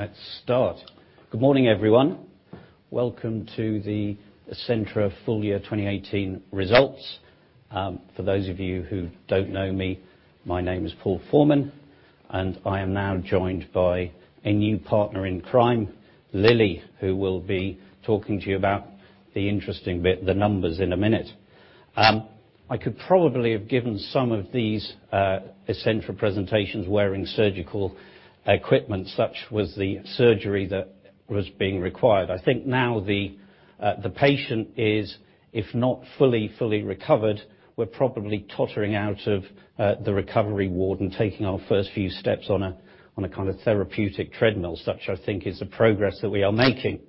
Right. Let's start. Good morning, everyone. Welcome to the Essentra full year 2018 results. For those of you who don't know me, my name is Paul Forman, I am now joined by a new partner in crime, Lily, who will be talking to you about the interesting bit, the numbers, in a minute. I could probably have given some of these Essentra presentations wearing surgical equipment, such was the surgery that was being required. I think now the patient is, if not fully recovered, we're probably tottering out of the recovery ward and taking our first few steps on a kind of therapeutic treadmill. Such, I think, is the progress that we are making.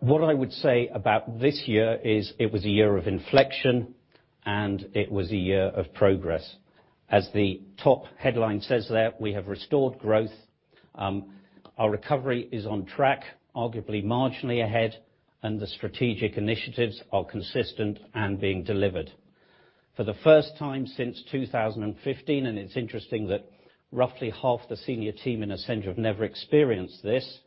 What I would say about this year is it was a year of inflection and it was a year of progress. As the top headline says there, we have restored growth. Our recovery is on track, arguably marginally ahead, the strategic initiatives are consistent and being delivered. For the first time since 2015, it's interesting that roughly half the senior team in Essentra have never experienced this,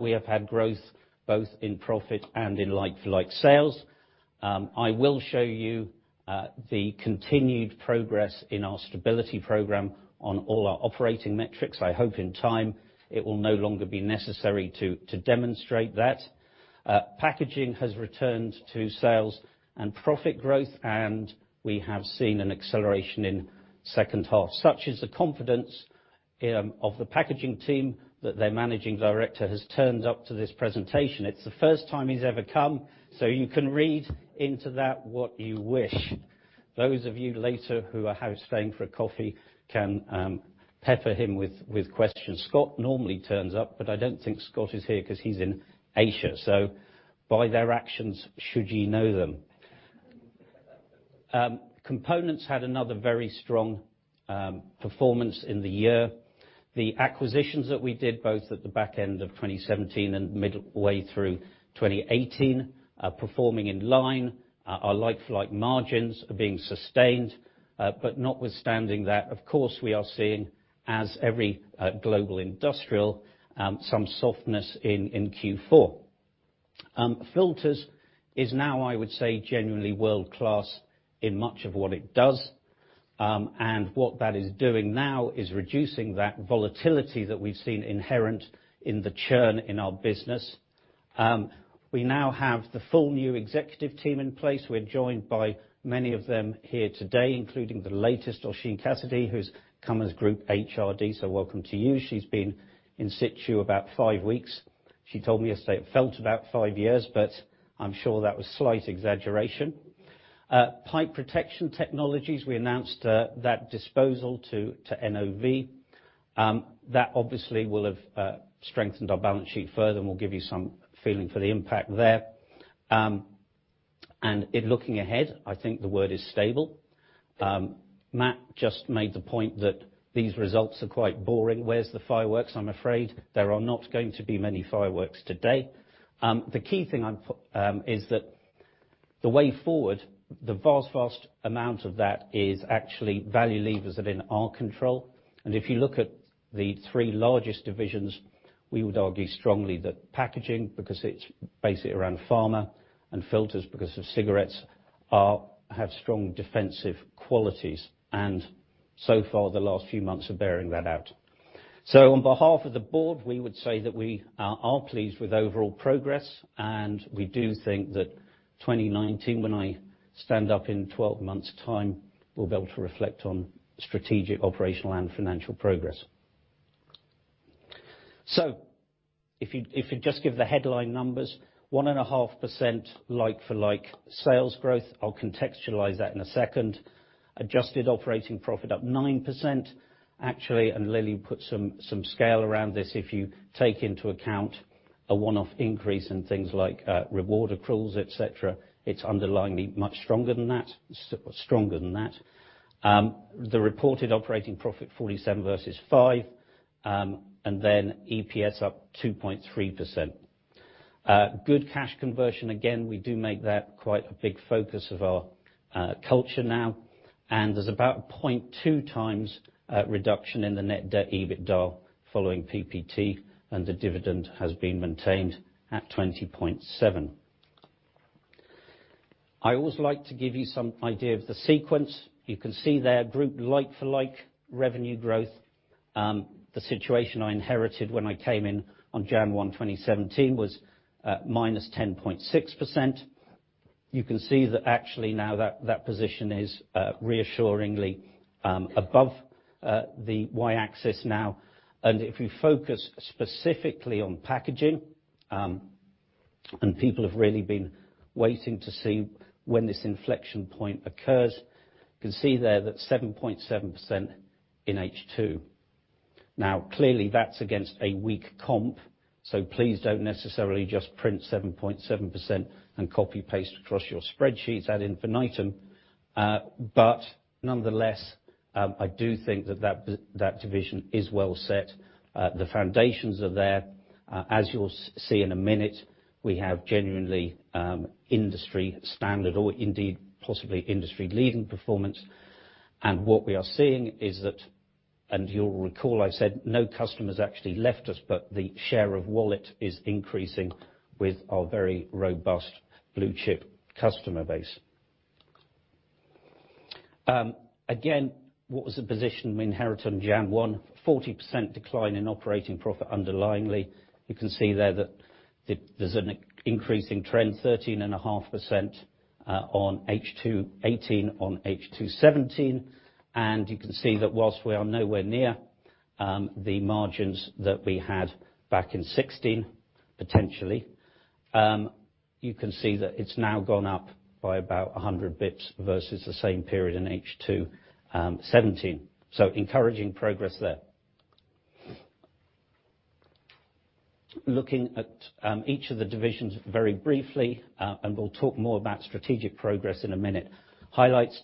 we have had growth both in profit and in like-for-like sales. I will show you the continued progress in our stability program on all our operating metrics. I hope in time it will no longer be necessary to demonstrate that. Packaging has returned to sales and profit growth, we have seen an acceleration in second half. Such is the confidence of the packaging team that their managing director has turned up to this presentation. It's the first time he's ever come, so you can read into that what you wish. Those of you later who are staying for a coffee can pepper him with questions. Scott normally turns up, I don't think Scott is here because he's in Asia. By their actions should you know them. Components had another very strong performance in the year. The acquisitions that we did, both at the back end of 2017 and way through 2018, are performing in line. Our like-for-like margins are being sustained. Notwithstanding that, of course, we are seeing, as every global industrial, some softness in Q4. Filters is now, I would say, genuinely world-class in much of what it does. What that is doing now is reducing that volatility that we've seen inherent in the churn in our business. We now have the full new executive team in place. We're joined by many of them here today, including the latest, Oshin Cassidy, who's come as Group HRD, so welcome to you. She's been in situ about five weeks. She told me yesterday it felt about five years, I'm sure that was slight exaggeration. Pipe Protection Technologies, we announced that disposal to NOV. That obviously will have strengthened our balance sheet further, we'll give you some feeling for the impact there. In looking ahead, I think the word is stable. Matt just made the point that these results are quite boring. Where's the fireworks? I'm afraid there are not going to be many fireworks today. The key thing is that the way forward, the vast amount of that is actually value levers that are in our control. If you look at the three largest divisions, we would argue strongly that packaging, because it's basically around pharma, and Filters because of cigarettes, have strong defensive qualities. So far, the last few months are bearing that out. On behalf of the board, we would say that we are pleased with overall progress, we do think that 2019, when I stand up in 12 months' time, we'll be able to reflect on strategic, operational, and financial progress. If you just give the headline numbers, 1.5% like-for-like sales growth. I'll contextualize that in a second. Adjusted operating profit up 9%. Actually, Lily put some scale around this, if you take into account a one-off increase in things like reward accruals, et cetera, it's underlying much stronger than that. The reported operating profit, 47 versus 5, then EPS up 2.3%. Good cash conversion. Again, we do make that quite a big focus of our culture now. There's about 0.2x reduction in the net debt/EBITDA following PPT, the dividend has been maintained at 0.207. I always like to give you some idea of the sequence. You can see there, group like-for-like revenue growth. The situation I inherited when I came in on January 1st, 2017, was -10.6%. You can see that actually now that position is reassuringly above the Y-axis now. If we focus specifically on packaging, people have really been waiting to see when this inflection point occurs. You can see there that 7.7% in H2. Clearly that's against a weak comp, so please don't necessarily just print 7.7% and copy-paste across your spreadsheets ad infinitum. Nonetheless, I do think that that division is well set. The foundations are there. As you'll see in a minute, we have genuinely industry standard, or indeed possibly industry leading performance. What we are seeing is that, you'll recall, I said no customers actually left us, the share of wallet is increasing with our very robust blue chip customer base. Again, what was the position we inherited on January 1st? 40% decline in operating profit underlyingly. You can see there that there's an increasing trend, 13.5% on H2 2018 on H2 2017, you can see that whilst we are nowhere near the margins that we had back in 2016, potentially, you can see that it's now gone up by about 100 basis points versus the same period in H2 2017. Encouraging progress there. Looking at each of the divisions very briefly, we'll talk more about strategic progress in a minute. Highlights,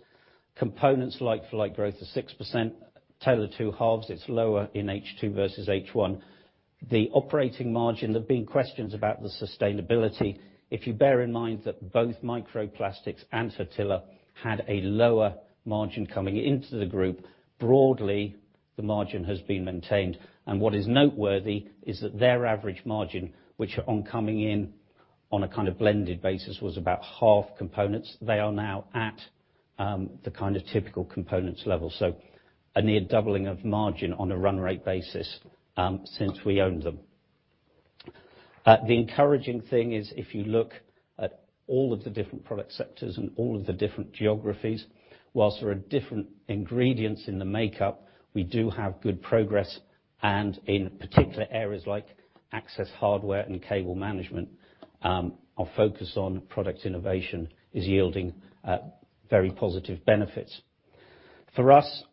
components like-for-like growth of 6%, tailor two halves, it's lower in H2 versus H1. The operating margin, there have been questions about the sustainability. If you bear in mind that both Micro Plastics and Hertila had a lower margin coming into the group, broadly the margin has been maintained. What is noteworthy is that their average margin, which on coming in on a kind of blended basis, was about half components. They are now at the kind of typical components level. A near doubling of margin on a run rate basis since we owned them. The encouraging thing is if you look at all of the different product sectors and all of the different geographies, whilst there are different ingredients in the makeup, we do have good progress and in particular areas like access hardware and cable management, our focus on product innovation is yielding very positive benefits. For us,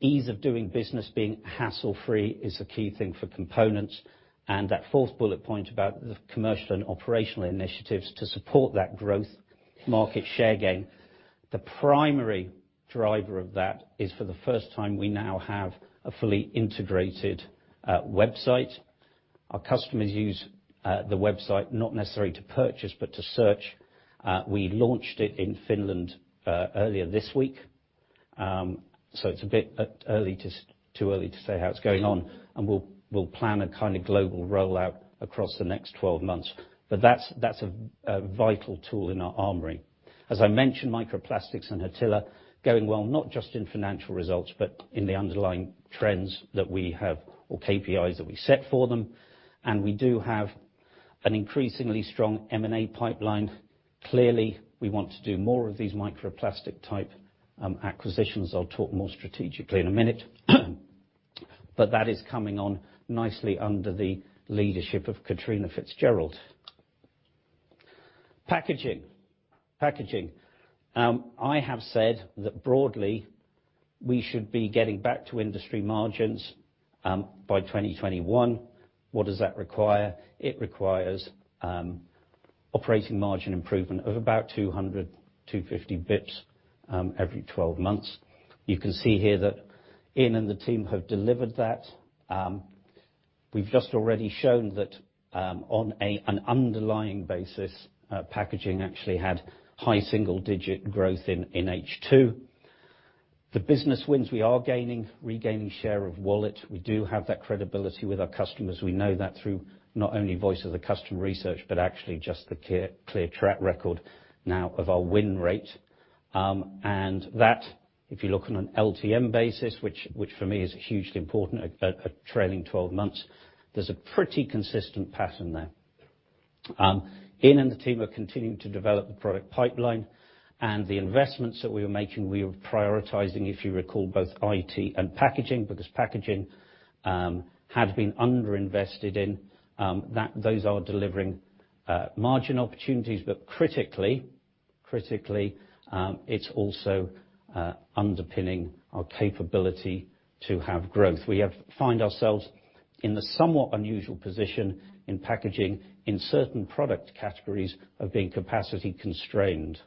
ease of doing business, being hassle-free is a key thing for components. The fourth bullet point about the commercial and operational initiatives to support that growth market share gain, the primary driver of that is for the first time, we now have a fully integrated website. Our customers use the website not necessary to purchase, but to search. We launched it in Finland earlier this week, so it's a bit too early to say how it's going on, and we'll plan a kind of global rollout across the next 12 months. That's a vital tool in our armory. As I mentioned, Micro Plastics and Hertila, going well, not just in financial results, but in the underlying trends that we have, or KPIs that we set for them. We do have an increasingly strong M&A pipeline. Clearly, we want to do more of these Micro Plastics type acquisitions. I'll talk more strategically in a minute. That is coming on nicely under the leadership of Katrina Fitzgerald. Packaging. I have said that broadly we should be getting back to industry margins by 2021. What does that require? It requires operating margin improvement of about 200, 250 basis points, every 12 months. You can see here that Ian and the team have delivered that. We've just already shown that on an underlying basis, packaging actually had high single digit growth in H2. The business wins we are gaining, regaining share of wallet. We do have that credibility with our customers. We know that through not only voice of the customer research, but actually just the clear track record now of our win rate. That, if you look on an LTM basis, which for me is hugely important, a trailing 12 months, there's a pretty consistent pattern there. Ian and the team are continuing to develop the product pipeline and the investments that we are making, we are prioritizing, if you recall, both IT and packaging, because packaging had been under-invested in. Those are delivering margin opportunities, but critically, it's also underpinning our capability to have growth. We have find ourselves in the somewhat unusual position in packaging in certain product categories of being capacity constrained.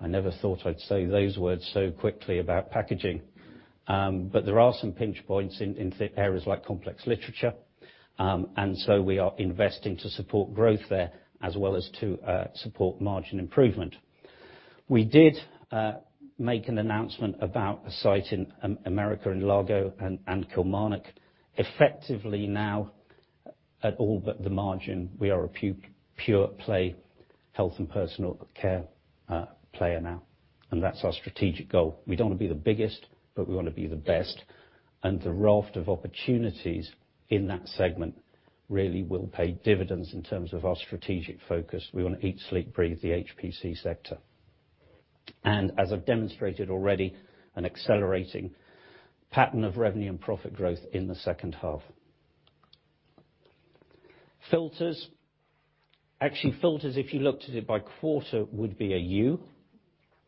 I never thought I'd say those words so quickly about packaging. There are some pinch points in areas like complex literature. We are investing to support growth there as well as to support margin improvement. We did make an announcement about a site in America, in Largo and Kilmarnock. Effectively now, at all but the margin, we are a pure play health and personal care player now. That's our strategic goal. We don't want to be the biggest, but we want to be the best, and the raft of opportunities in that segment really will pay dividends in terms of our strategic focus. We want to eat, sleep, breathe the HPC sector. As I've demonstrated already, an accelerating pattern of revenue and profit growth in the second half. Filters. Actually, filters, if you looked at it by quarter, would be a U.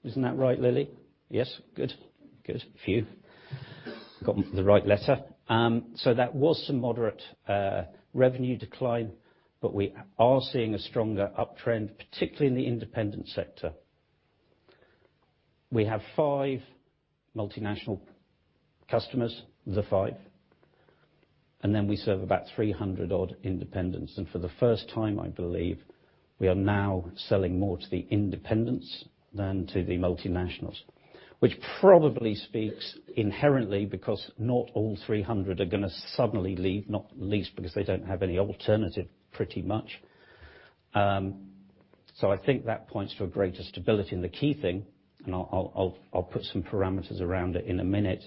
Isn't that right, Lily? Yes, good. Phew. Got the right letter. That was some moderate revenue decline, but we are seeing a stronger uptrend, particularly in the independent sector. We have five multinational customers, the five, and then we serve about 300 odd independents. For the first time, I believe, we are now selling more to the independents than to the multinationals, which probably speaks inherently because not all 300 are going to suddenly leave, not least because they don't have any alternative pretty much. I think that points to a greater stability. The key thing, and I'll put some parameters around it in a minute,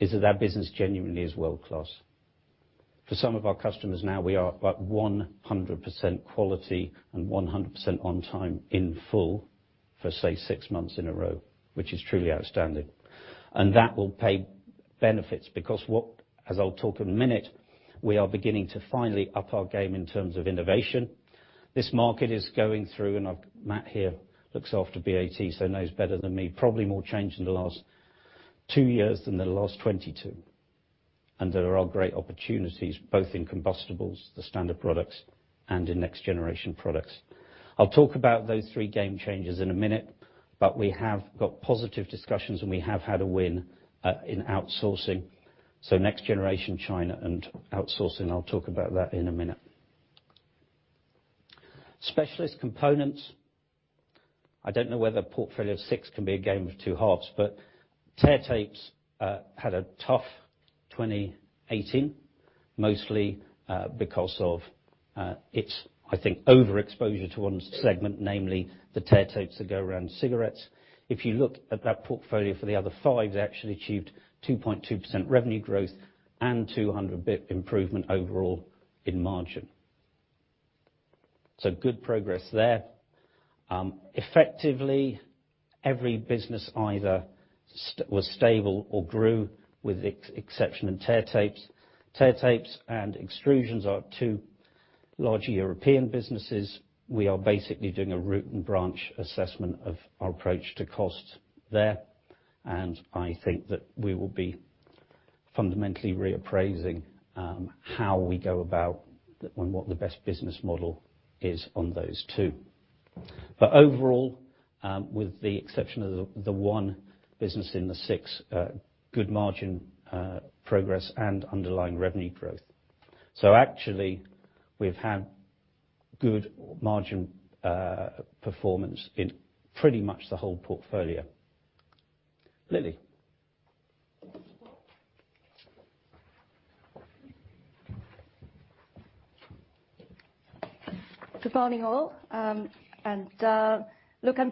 is that that business genuinely is world-class. For some of our customers now we are at 100% quality and 100% on time in full for, say, six months in a row, which is truly outstanding. That will pay benefits because what, as I'll talk in a minute, we are beginning to finally up our game in terms of innovation. This market is going through, Matt here looks after BAT, knows better than me, probably more change in the last two years than the last 22. There are great opportunities, both in combustibles, the standard products, and in next generation products. I'll talk about those three game changers in a minute, we have got positive discussions, we have had a win in outsourcing. Next generation China and outsourcing, I'll talk about that in a minute. Specialist components. I don't know whether a portfolio of six can be a game of two halves, tear tapes had a tough 2018, mostly because of its, I think, overexposure to one segment, namely the tear tapes that go around cigarettes. If you look at that portfolio for the other five, they actually achieved 2.2% revenue growth and 200 basis points improvement overall in margin. Its a good progress there. Effectively, every business either was stable or grew with the exception of tear tapes. Tear tapes and extrusions are two large European businesses. We are basically doing a root and branch assessment of our approach to cost there, I think that we will be fundamentally reappraising how we go about and what the best business model is on those two. Overall, with the exception of the one business in the six, good margin progress and underlying revenue growth. Actually, we've had good margin performance in pretty much the whole portfolio. Lily. Good morning, all. I'm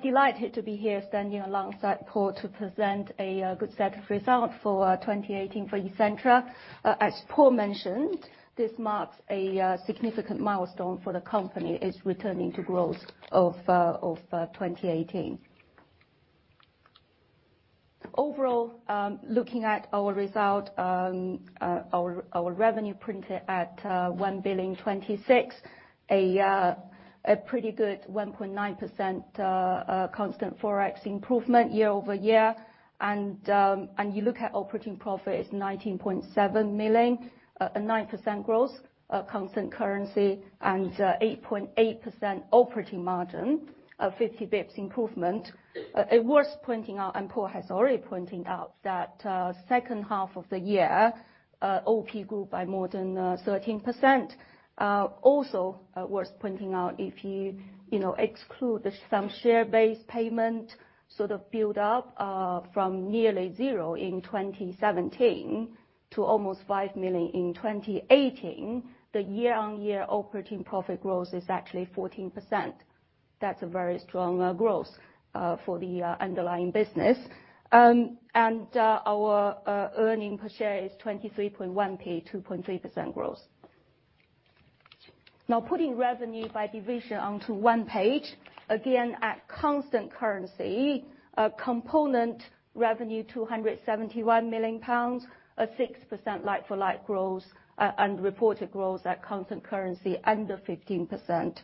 delighted to be here standing alongside Paul to present a good set of results for 2018 for Essentra. As Paul mentioned, this marks a significant milestone for the company. It's returning to growth of 2018. Overall, looking at our result, our revenue printed at 1.026 billion, a pretty good 1.9% constant ForEx improvement YoY. You look at operating profit, it's 19.7 million, a 9% growth constant currency and 8.8% operating margin, a 50 basis points improvement. Worth pointing out, Paul has already pointed out, that second half of the year, OP grew by more than 13%. Also worth pointing out, if you exclude some share-based payment, sort of build up from nearly zero in 2017 to almost 5 million in 2018, the year-on-year operating profit growth is actually 14%. That's a very strong growth for the underlying business. Our earning per share is 23.1p, 2.3% growth. Putting revenue by division onto one page, again at constant currency, Components revenue 271 million pounds, a 6% like-for-like growth and reported growth at constant currency under 15%.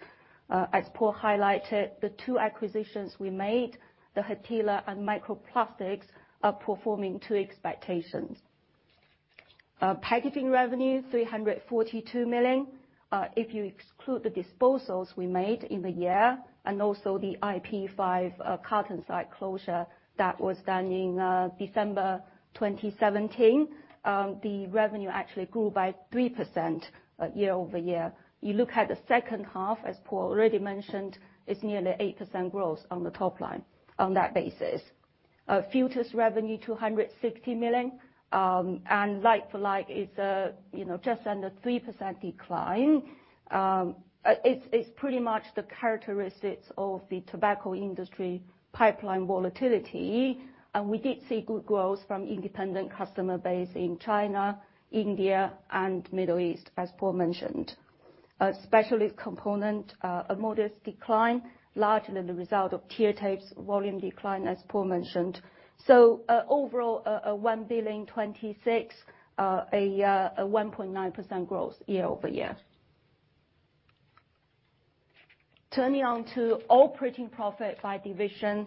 As Paul highlighted, the two acquisitions we made, Hertila and Micro Plastics, are performing to expectations. Packaging revenue 342 million. If you exclude the disposals we made in the year and also the IP5 carton site closure that was done in December 2017, the revenue actually grew by 3% YoY. You look at the second half, as Paul already mentioned, it's nearly 8% growth on the top line on that basis. Filters revenue GBP 260 million, like-for-like it's just under 3% decline. It's pretty much the characteristics of the tobacco industry pipeline volatility. We did see good growth from independent customer base in China, India, and Middle East, as Paul mentioned. Specialist component, a modest decline, largely the result of tear tapes volume decline, as Paul mentioned. Overall, 1 billion 26, a 1.9% growth YoY. Turning on to operating profit by division.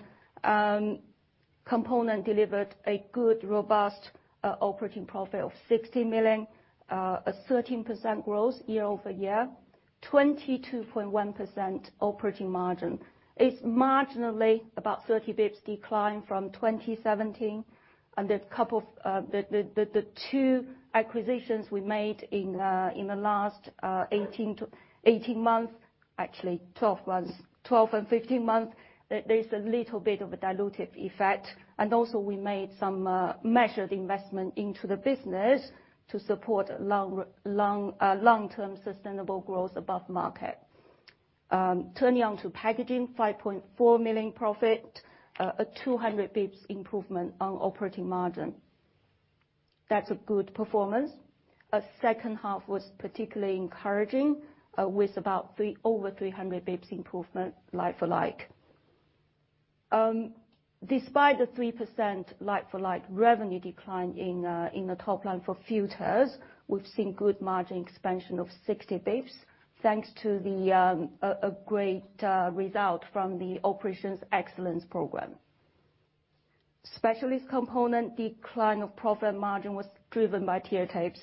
Components delivered a good, robust operating profit of 60 million, a 13% growth YoY, 22.1% operating margin. It's marginally about 30 basis points decline from 2017, and the two acquisitions we made in the last 18 months, actually 12 and 15 months, there is a little bit of a dilutive effect. Also we made some measured investment into the business to support long-term sustainable growth above market. Turning to Packaging, 5.4 million profit, a 200 basis points improvement on operating margin. That's a good performance. Our second half was particularly encouraging, with about over 300 basis points improvement like-for-like. Despite the 3% like-for-like revenue decline in the top line for Filters, we've seen good margin expansion of 60 basis points, thanks to a great result from the operations excellence program. Specialist component decline of profit margin was driven by tear tapes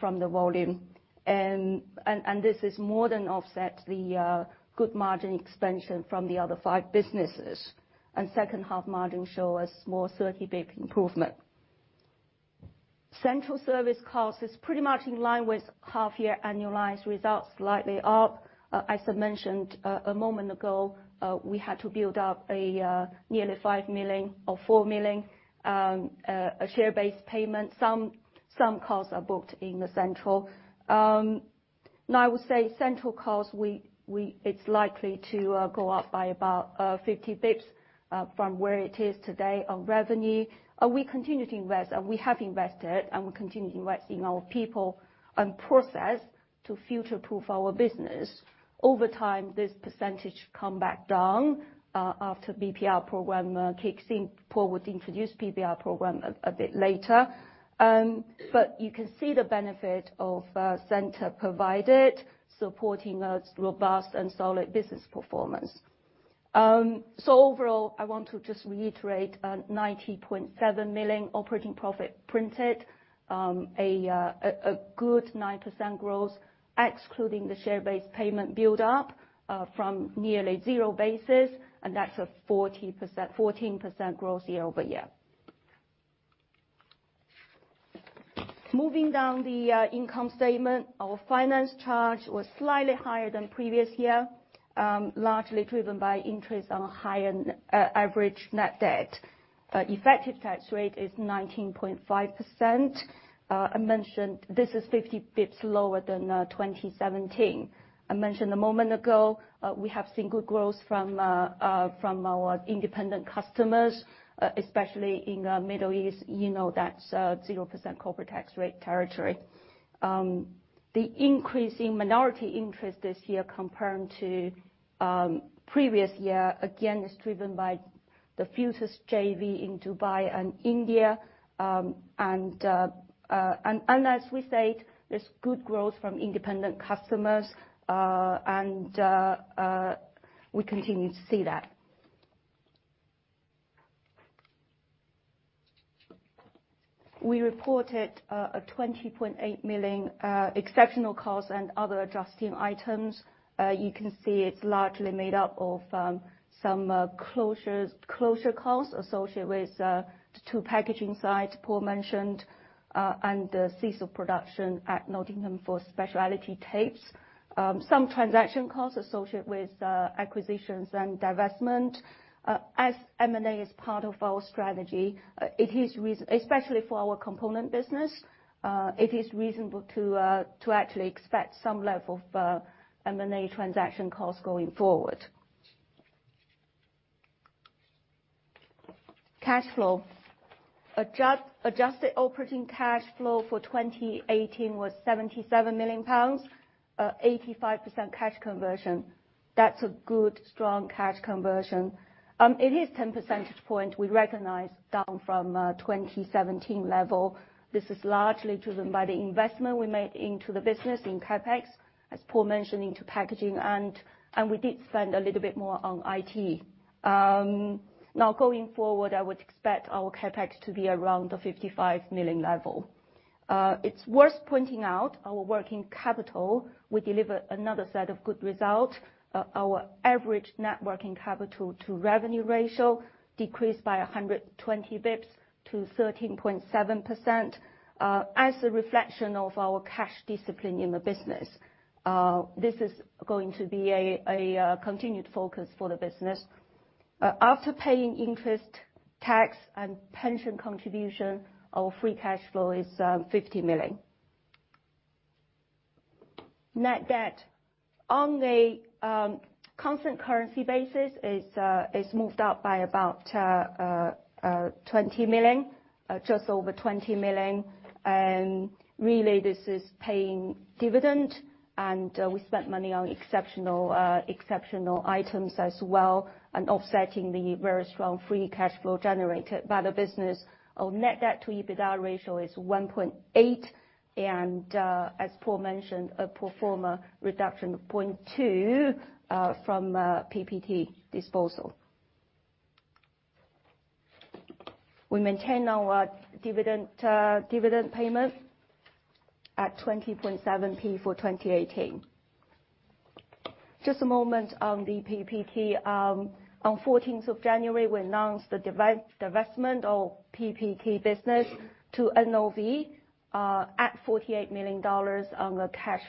from the volume. This has more than offset the good margin expansion from the other five businesses. Second-half margin show a small 30 basis points improvement. Central service cost is pretty much in line with half-year annualized results, slightly up. As I mentioned a moment ago, we had to build up nearly 5 million or 4 million share-based payment. Some costs are booked in the central. I would say central cost, it's likely to go up by about 50 basis points from where it is today on revenue. We continue to invest, we have invested, we continue investing our people and process to future-proof our business. Over time, this percentage come back down after PBR program kicks in. Paul would introduce PBR program a bit later. You can see the benefit of center provided, supporting a robust and solid business performance. Overall, I want to just reiterate, 90.7 million operating profit printed, a good 9% growth, excluding the share-based payment build-up from nearly zero basis, that's a 14% growth year-over-year. Moving down the income statement, our finance charge was slightly higher than previous year, largely driven by interest on higher net average net debt. Effective tax rate is 19.5%. I mentioned this is 50 basis points lower than 2017. I mentioned a moment ago, we have seen good growth from our independent customers, especially in the Middle East. You know that 0% corporate tax rate territory. The increase in minority interest this year compared to previous year, again, is driven by the Futurs JV in Dubai and India. As we said, there's good growth from independent customers, and we continue to see that. We reported a 20.8 million exceptional cost and other adjusting items. You can see it's largely made up of some closure costs associated with two packaging sites Paul mentioned, and the cease of production at Nottingham for specialty tapes. Some transaction costs associated with acquisitions and divestment. As M&A is part of our strategy, especially for our component business, it is reasonable to actually expect some level of M&A transaction costs going forward. Cash flow. Adjusted operating cash flow for 2018 was 77 million pounds, 85% cash conversion. That's a good, strong cash conversion. It is 10 percentage point, we recognize, down from 2017 level. This is largely driven by the investment we made into the business in CapEx, as Paul mentioned, into packaging, and we did spend a little bit more on IT. Going forward, I would expect our CapEx to be around the 55 million level. It's worth pointing out our working capital, we delivered another set of good results. Our average net working capital to revenue ratio decreased by 120 basis points to 13.7%, as a reflection of our cash discipline in the business. This is going to be a continued focus for the business. After paying interest, tax, and pension contribution, our free cash flow is 50 million. Net debt. On a constant currency basis, it's moved up by about just over 20 million. Really, this is paying dividend, and we spent money on exceptional items as well, offsetting the very strong free cash flow generated by the business. Our net debt to EBITDA ratio is 1.80, as Paul mentioned, a pro forma reduction of 0.2 from PPT disposal. We maintain our dividend payment at 0.207 for 2018. Just a moment on the PPT. On 14th of January, we announced the divestment of PPT business to NOV at $48 million on a cash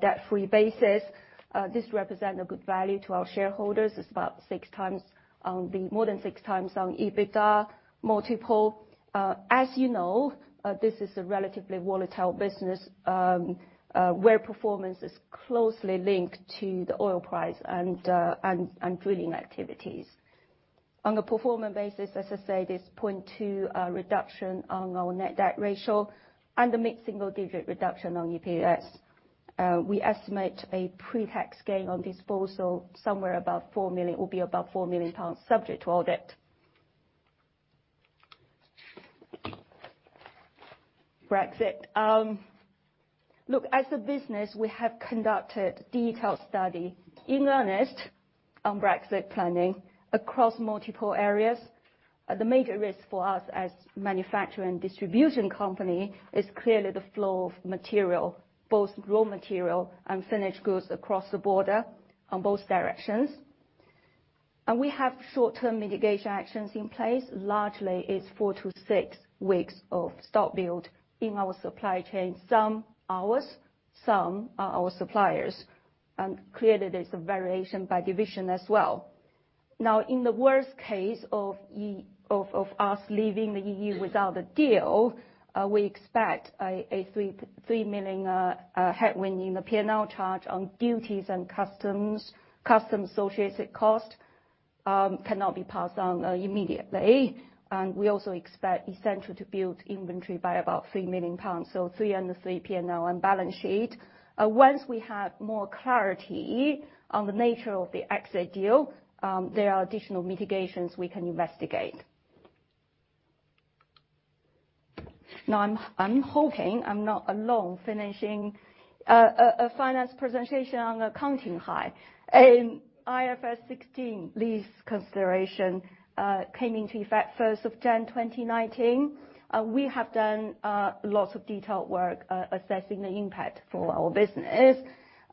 debt-free basis. This represent a good value to our shareholders. It's about more than 6x on EBITDA multiple. As you know, this is a relatively volatile business, where performance is closely linked to the oil price and drilling activities. On a performance basis, as I said, it's 0.2 reduction on our net debt ratio and a mid-single digit reduction on EPS. We estimate a pre-tax gain on disposal somewhere above 4 million, or be above 4 million pounds subject to audit. Brexit. Look, as a business, we have conducted detailed study in earnest on Brexit planning across multiple areas. The major risk for us as manufacturing and distribution company is clearly the flow of material, both raw material and finished goods across the border on both directions. We have short-term mitigation actions in place. Largely, it's four to six weeks of stock build in our supply chain. Some ours, some our suppliers. Clearly, there's a variation by division as well. In the worst case of us leaving the EU without a deal, we expect a 3 million headwind in the P&L charge on duties and customs. Customs associated cost cannot be passed on immediately. We also expect Essentra to build inventory by about 3 million pounds. So 3 on the P&L and balance sheet. Once we have more clarity on the nature of the exit deal, there are additional mitigations we can investigate. I'm hoping I'm not alone finishing a finance presentation on an accounting high. IFRS 16, lease consideration came into effect January 1st, 2019. We have done lots of detailed work assessing the impact for our business.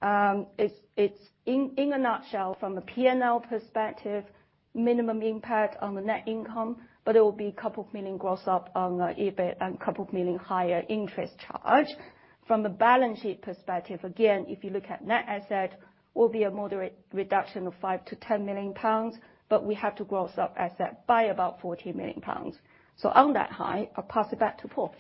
It is, in a nutshell, from a P&L perspective, minimum impact on the net income, but it will be a couple of million GBP gross up on EBIT and a couple of million GBP higher interest charge. From a balance sheet perspective, again, if you look at net asset, will be a moderate reduction of 5 million-10 million pounds, but we have to gross up asset by about 14 million pounds. On that high, I will pass it back to Paul.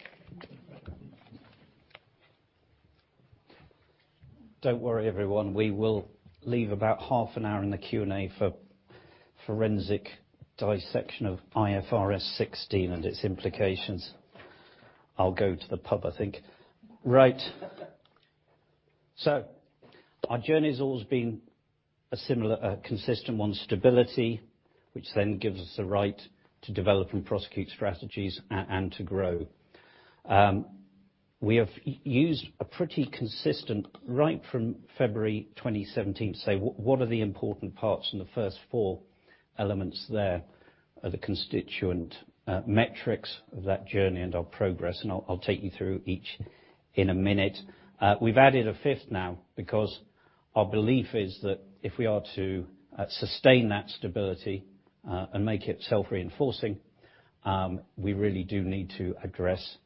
Don't worry everyone, we will leave about half an hour in the Q&A for forensic dissection of IFRS 16 and its implications. I will go to the pub, I think. Our journey has always been a consistent one. Stability, which then gives us the right to develop and prosecute strategies and to grow. We have used a pretty consistent, right from February 2017, to say what are the important parts in the first four elements there are the constituent metrics of that journey and our progress. I will take you through each in a minute. We have added a fifth now because our belief is that if we are to sustain that stability, and make it self-reinforcing, we really do need to address,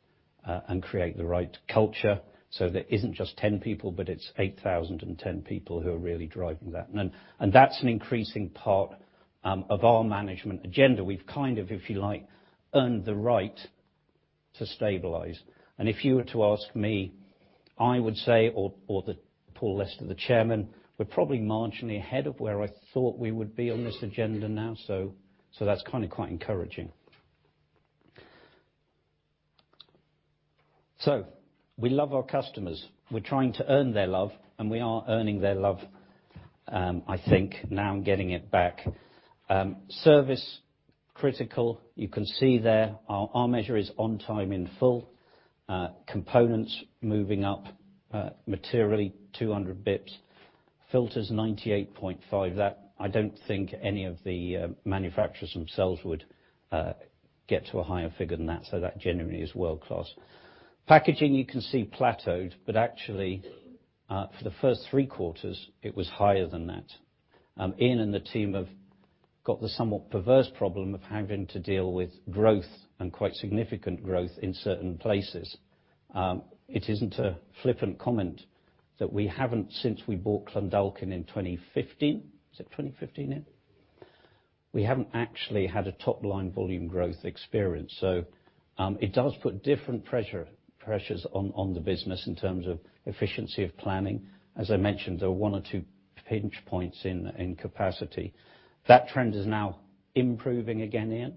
and create the right culture so there isn't just 10 people, but it is 8,010 people who are really driving that. That is an increasing part of our management agenda. We have kind of, if you like, earned the right to stabilize. If you were to ask me, I would say, or Paul Lester, the Chairman, we are probably marginally ahead of where I thought we would be on this agenda now. That is quite encouraging. We love our customers. We are trying to earn their love, and we are earning their love, I think now I am getting it back. Service, critical. You can see there our measure is on time in full. Components moving up materially 200 basis points. Filters 98.5%. That I don't think any of the manufacturers themselves would get to a higher figure than that. That genuinely is world-class. Packaging you can see plateaued, but actually, for the first three quarters, it was higher than that. Ian and the team have got the somewhat perverse problem of having to deal with growth and quite significant growth in certain places. It isn't a flippant comment that we haven't, since we bought Clondalkin in 2015. Is it 2015, Ian? We haven't actually had a top-line volume growth experience. It does put different pressures on the business in terms of efficiency of planning. As I mentioned, there are one or two pinch points in capacity. That trend is now improving again, Ian.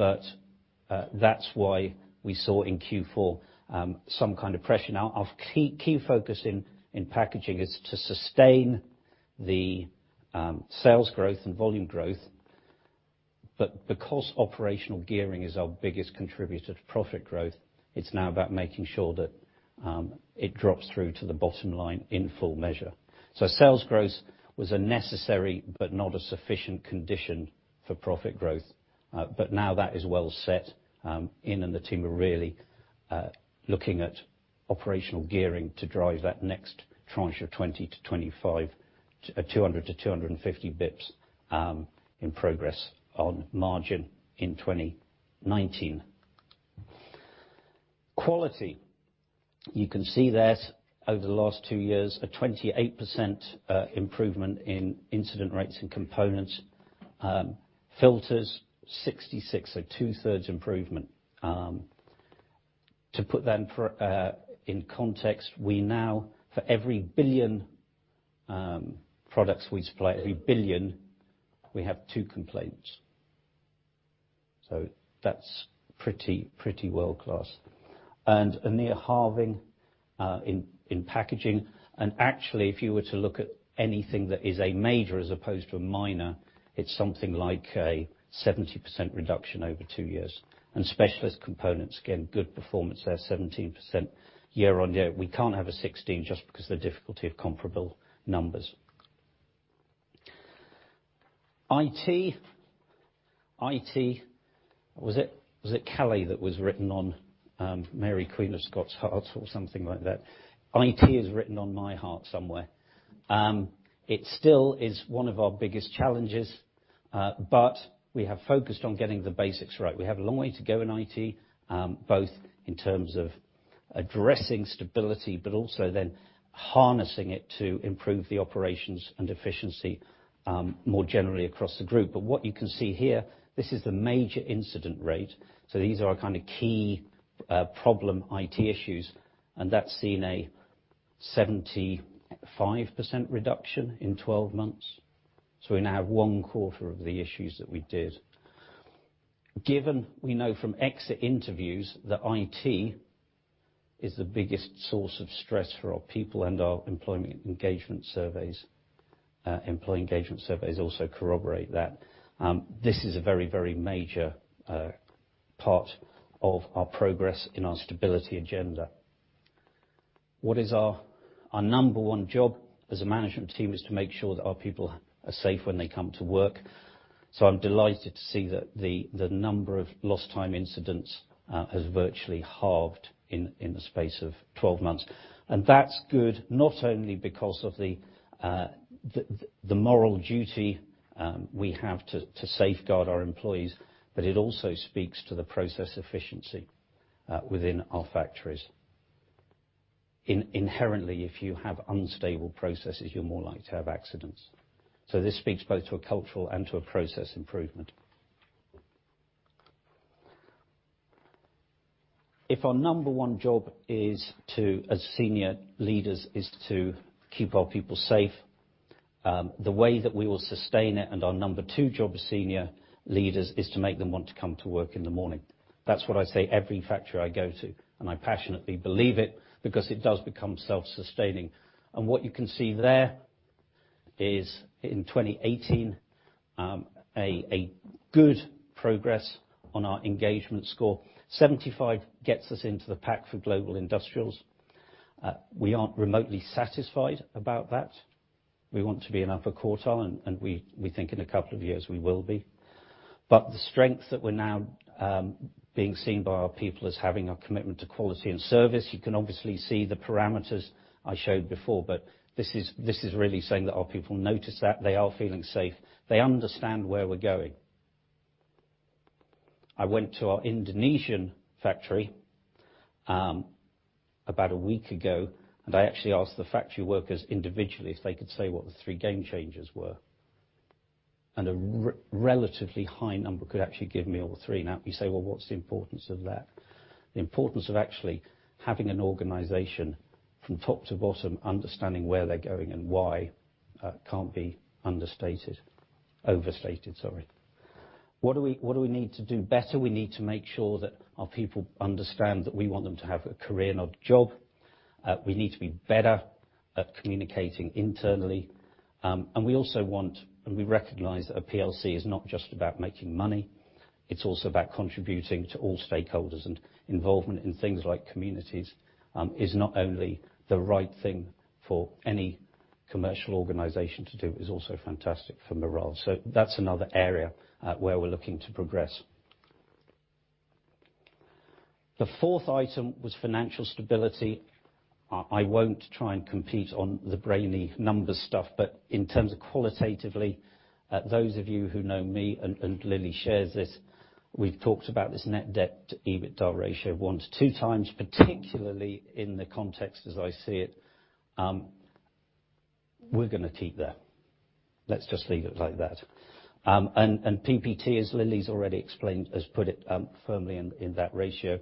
That is why we saw in Q4 some kind of pressure. Our key focus in packaging is to sustain the sales growth and volume growth. Because operational gearing is our biggest contributor to profit growth, it is now about making sure that it drops through to the bottom line in full measure. Sales growth was a necessary but not a sufficient condition for profit growth. Now that is well set, Ian and the team are really looking at operational gearing to drive that next tranche of 200 basis points-250 basis points in progress on margin in 2019. Quality. You can see that over the last two years, a 28% improvement in incident rates and components. Filters, 66, so 2/3 improvement. To put them in context, we now, for every billion products we supply, we have two complaints. That's pretty world-class. A near halving in packaging, and actually, if you were to look at anything that is a major as opposed to a minor, it's something like a 70% reduction over two years. Specialist components, again, good performance there, 17% year-on-year. We cannot have a 16 just because of the difficulty of comparable numbers. IT. Was it Kelly that was written on Mary, Queen of Scots' heart or something like that? IT is written on my heart somewhere. It still is one of our biggest challenges, we have focused on getting the basics right. We have a long way to go in IT, both in terms of addressing stability, also then harnessing it to improve the operations and efficiency more generally across the group. What you can see here, this is the major incident rate. These are our kind of key problem IT issues, and that's seen a 75% reduction in 12 months. We now have one quarter of the issues that we did. Given we know from exit interviews that IT is the biggest source of stress for our people and our employee engagement surveys also corroborate that. This is a very major part of our progress in our stability agenda. What is our number one job as a management team is to make sure that our people are safe when they come to work. I am delighted to see that the number of lost time incidents has virtually halved in the space of 12 months. That's good, not only because of the moral duty we have to safeguard our employees, but it also speaks to the process efficiency within our factories. Inherently, if you have unstable processes, you are more likely to have accidents. This speaks both to a cultural and to a process improvement. If our number one job as senior leaders is to keep our people safe, the way that we will sustain it and our number two job as senior leaders is to make them want to come to work in the morning. That's what I say every factory I go to, I passionately believe it because it does become self-sustaining. What you can see there is in 2018, a good progress on our engagement score. 75 gets us into the pack for global industrials. We are not remotely satisfied about that. We want to be an upper quartile, and we think in a couple of years we will be. The strength that we are now being seen by our people as having a commitment to quality and service, you can obviously see the parameters I showed before, this is really saying that our people notice that they are feeling safe. They understand where we are going. I went to our Indonesian factory about a week ago, and I actually asked the factory workers individually if they could say what the three game changers were. A relatively high number could actually give me all three. You say, "Well, what's the importance of that?" The importance of actually having an organization from top to bottom understanding where they're going and why can't be understated. Overstated, sorry. What do we need to do better? We need to make sure that our people understand that we want them to have a career, not a job. We need to be better at communicating internally. We also want, and we recognize that a PLC is not just about making money. It's also about contributing to all stakeholders, and involvement in things like communities is not only the right thing for any commercial organization to do, is also fantastic for morale. That's another area where we're looking to progress. The fourth item was financial stability. I won't try and compete on the brainy number stuff, in terms of qualitatively, those of you who know me, and Lily shares this, we've talked about this net debt to EBITDA ratio one to two times, particularly in the context as I see it. We're going to keep that. Let's just leave it like that. PPT, as Lily's already explained, has put it firmly in that ratio.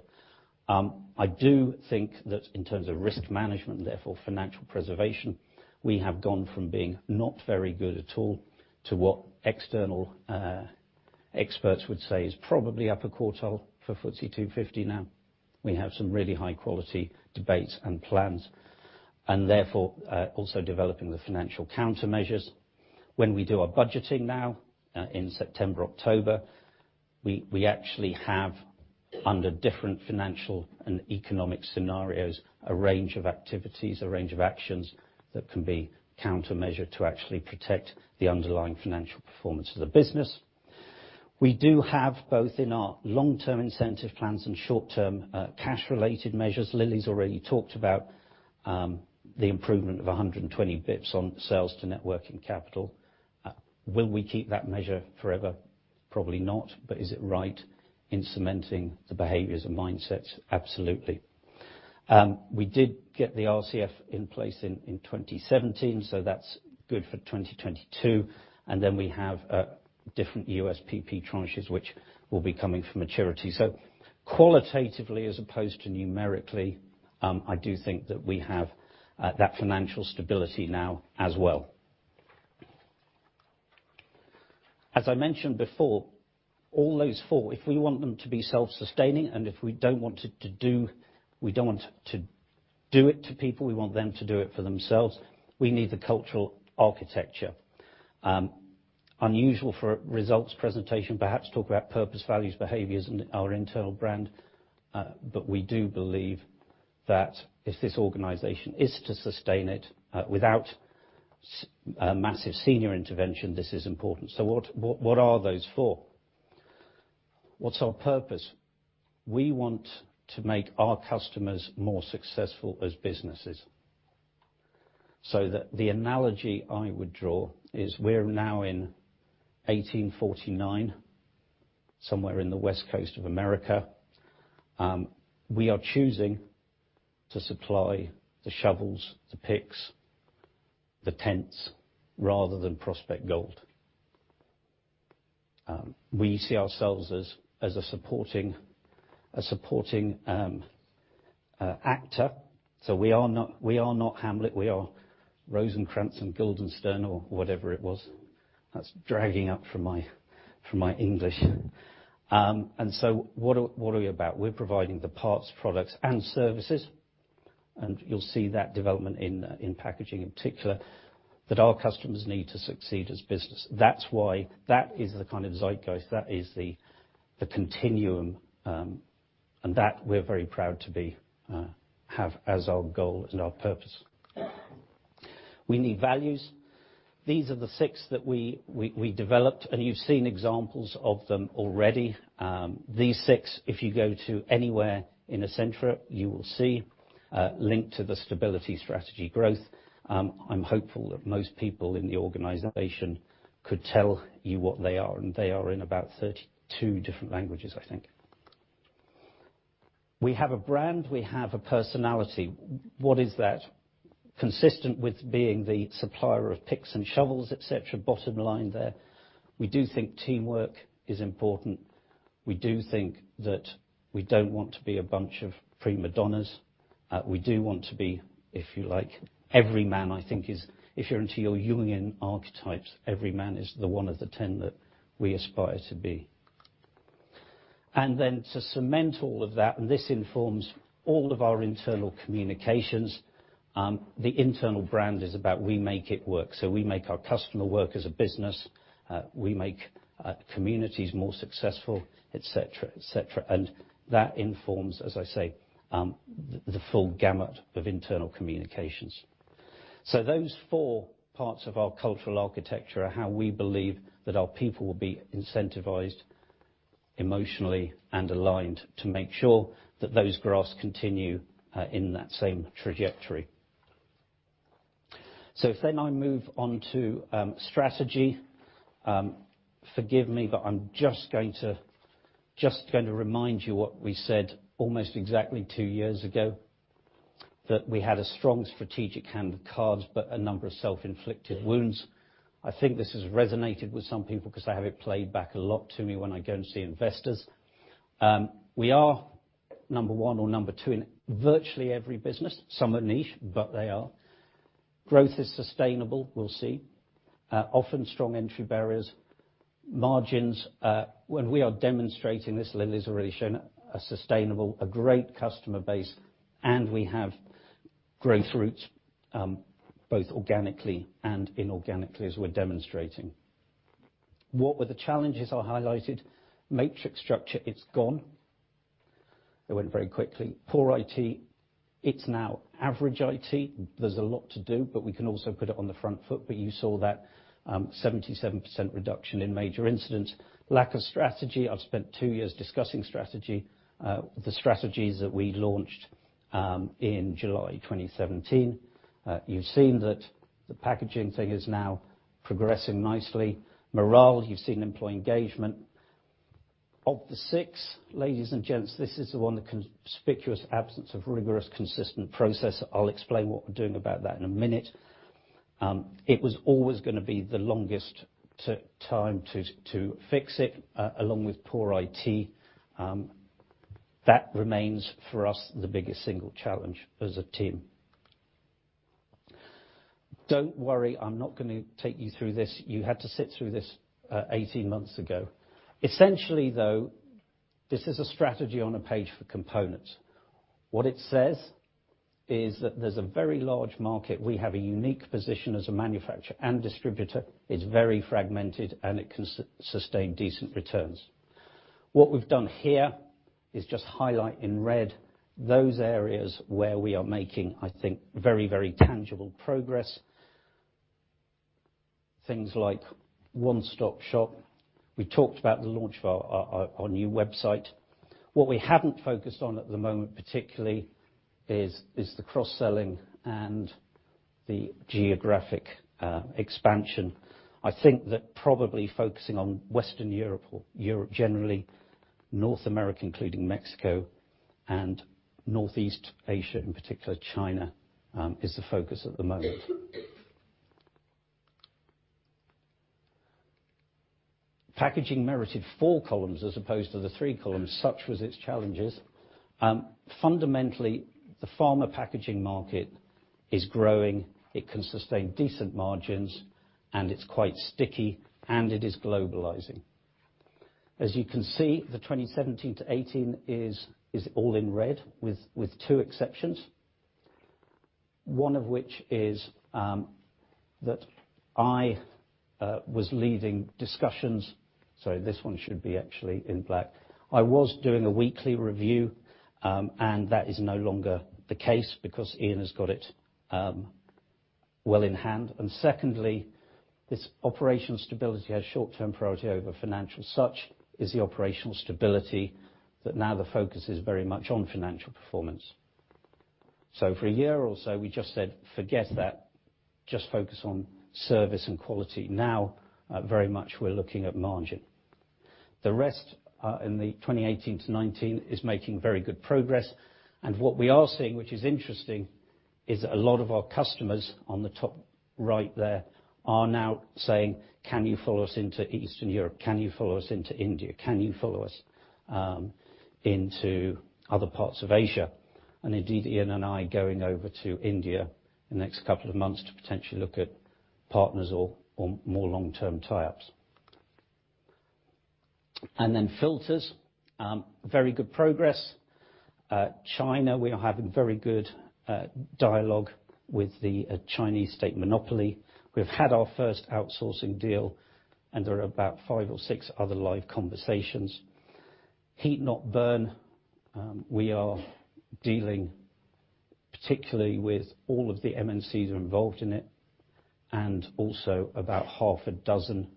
I do think that in terms of risk management, therefore financial preservation, we have gone from being not very good at all to what external experts would say is probably upper quartile for FTSE 250 now. We have some really high-quality debates and plans, and therefore, also developing the financial countermeasures. When we do our budgeting now in September, October, we actually have, under different financial and economic scenarios, a range of activities, a range of actions that can be countermeasure to actually protect the underlying financial performance of the business. We do have both in our long-term incentive plans and short-term cash related measures. Lily's already talked about the improvement of 120 basis points on sales to net working capital. Will we keep that measure forever? Probably not. Is it right in cementing the behaviors and mindsets? Absolutely. We did get the RCF in place in 2017, that's good for 2022. We have different USPP tranches, which will be coming for maturity. Qualitatively, as opposed to numerically, I do think that we have that financial stability now as well. As I mentioned before, all those four, if we want them to be self-sustaining, and if we don't want to do it to people, we want them to do it for themselves, we need the cultural architecture. Unusual for a results presentation, perhaps talk about purpose, values, behaviors, and our internal brand. We do believe that if this organization is to sustain it without massive senior intervention, this is important. What are those four? What's our purpose? We want to make our customers more successful as businesses. That the analogy I would draw is we're now in 1849, somewhere in the West Coast of America. We are choosing to supply the shovels, the picks, the tents rather than prospect gold. We see ourselves as a supporting actor. We are not Hamlet. We are Rosencrantz and Guildenstern or whatever it was. That's dragging up from my English. What are we about? We're providing the parts, products and services, and you'll see that development in packaging in particular, that our customers need to succeed as business. That is the kind of zeitgeist, that is the continuum, that we're very proud to have as our goal and our purpose. We need values. These are the six that we developed, and you've seen examples of them already. These six, if you go to anywhere in Essentra, you will see linked to the stability, strategy, growth. I'm hopeful that most people in the organization could tell you what they are, and they are in about 32 different languages, I think. We have a brand. We have a personality. What is that? Consistent with being the supplier of picks and shovels, et cetera. Bottom line there. We do think teamwork is important. We do think that we don't want to be a bunch of prima donnas. We do want to be, if you like, every man, I think, if you're into your Jungian archetypes, every man is the one of the 10 that we aspire to be. To cement all of that, this informs all of our internal communications, the internal brand is about we make it work. We make our customer work as a business. We make communities more successful, et cetera. That informs, as I say, the full gamut of internal communications. Those four parts of our cultural architecture are how we believe that our people will be incentivized emotionally and aligned to make sure that those graphs continue in that same trajectory. If I move on to strategy, forgive me, I'm just going to remind you what we said almost exactly two years ago, that we had a strong strategic hand of cards, a number of self-inflicted wounds. I think this has resonated with some people because they have it played back a lot to me when I go and see investors. We are number one or number two in virtually every business. Some are niche, but they are. Growth is sustainable. We'll see. Often strong entry barriers. Margins. When we are demonstrating this, Lily's already shown it, are sustainable. A great customer base, and we have growth routes, both organically and inorganically as we're demonstrating. What were the challenges I highlighted? Matrix structure. It's gone. It went very quickly. Poor IT. It's now average IT. There's a lot to do, we can also put it on the front foot. You saw that 77% reduction in major incidents. Lack of strategy. I've spent two years discussing strategy. The strategies that we launched in July 2017. You've seen that the packaging thing is now progressing nicely. Morale. You've seen employee engagement. Of the six, ladies and gents, this is the one, the conspicuous absence of rigorous, consistent process. I'll explain what we're doing about that in a minute. It was always going to be the longest time to fix it, along with poor IT. That remains for us, the biggest single challenge as a team. Don't worry, I'm not going to take you through this. You had to sit through this 18 months ago. Essentially, though, this is a strategy on a page for components. What it says is that there's a very large market. We have a unique position as a manufacturer and distributor. It's very fragmented, and it can sustain decent returns. What we've done here is just highlight in red those areas where we are making, I think, very tangible progress. Things like one-stop shop. We talked about the launch of our new website. What we haven't focused on at the moment particularly, is the cross-selling and the geographic expansion. I think that probably focusing on Western Europe or Europe generally, North America, including Mexico, and Northeast Asia, in particular China, is the focus at the moment. Packaging merited four columns as opposed to the three columns, such was its challenges. Fundamentally, the pharma packaging market is growing. It can sustain decent margins, and it's quite sticky, and it is globalizing. As you can see, the 2017-2018 is all in red with two exceptions. One of which is that I was leading discussions. Sorry, this one should be actually in black. I was doing a weekly review, and that is no longer the case because Ian has got it well in hand. Secondly, this operational stability has short-term priority over financial. Such is the operational stability, that now the focus is very much on financial performance. For a year or so, we just said, "Forget that. Just focus on service and quality." Very much we're looking at margin. The rest in the 2018-2019 is making very good progress, and what we are seeing, which is interesting, is a lot of our customers on the top right there are now saying, "Can you follow us into Eastern Europe? Can you follow us into India? Can you follow us into other parts of Asia?" Indeed, Ian and I are going over to India in the next couple of months to potentially look at partners or more long-term tie-ups. Then Filters. Very good progress. China, we are having very good dialogue with the Chinese state monopoly. We've had our first outsourcing deal, and there are about five or six other live conversations. Heat-not-burn. We are dealing particularly with all of the MNCs who are involved in it, and also about half a dozen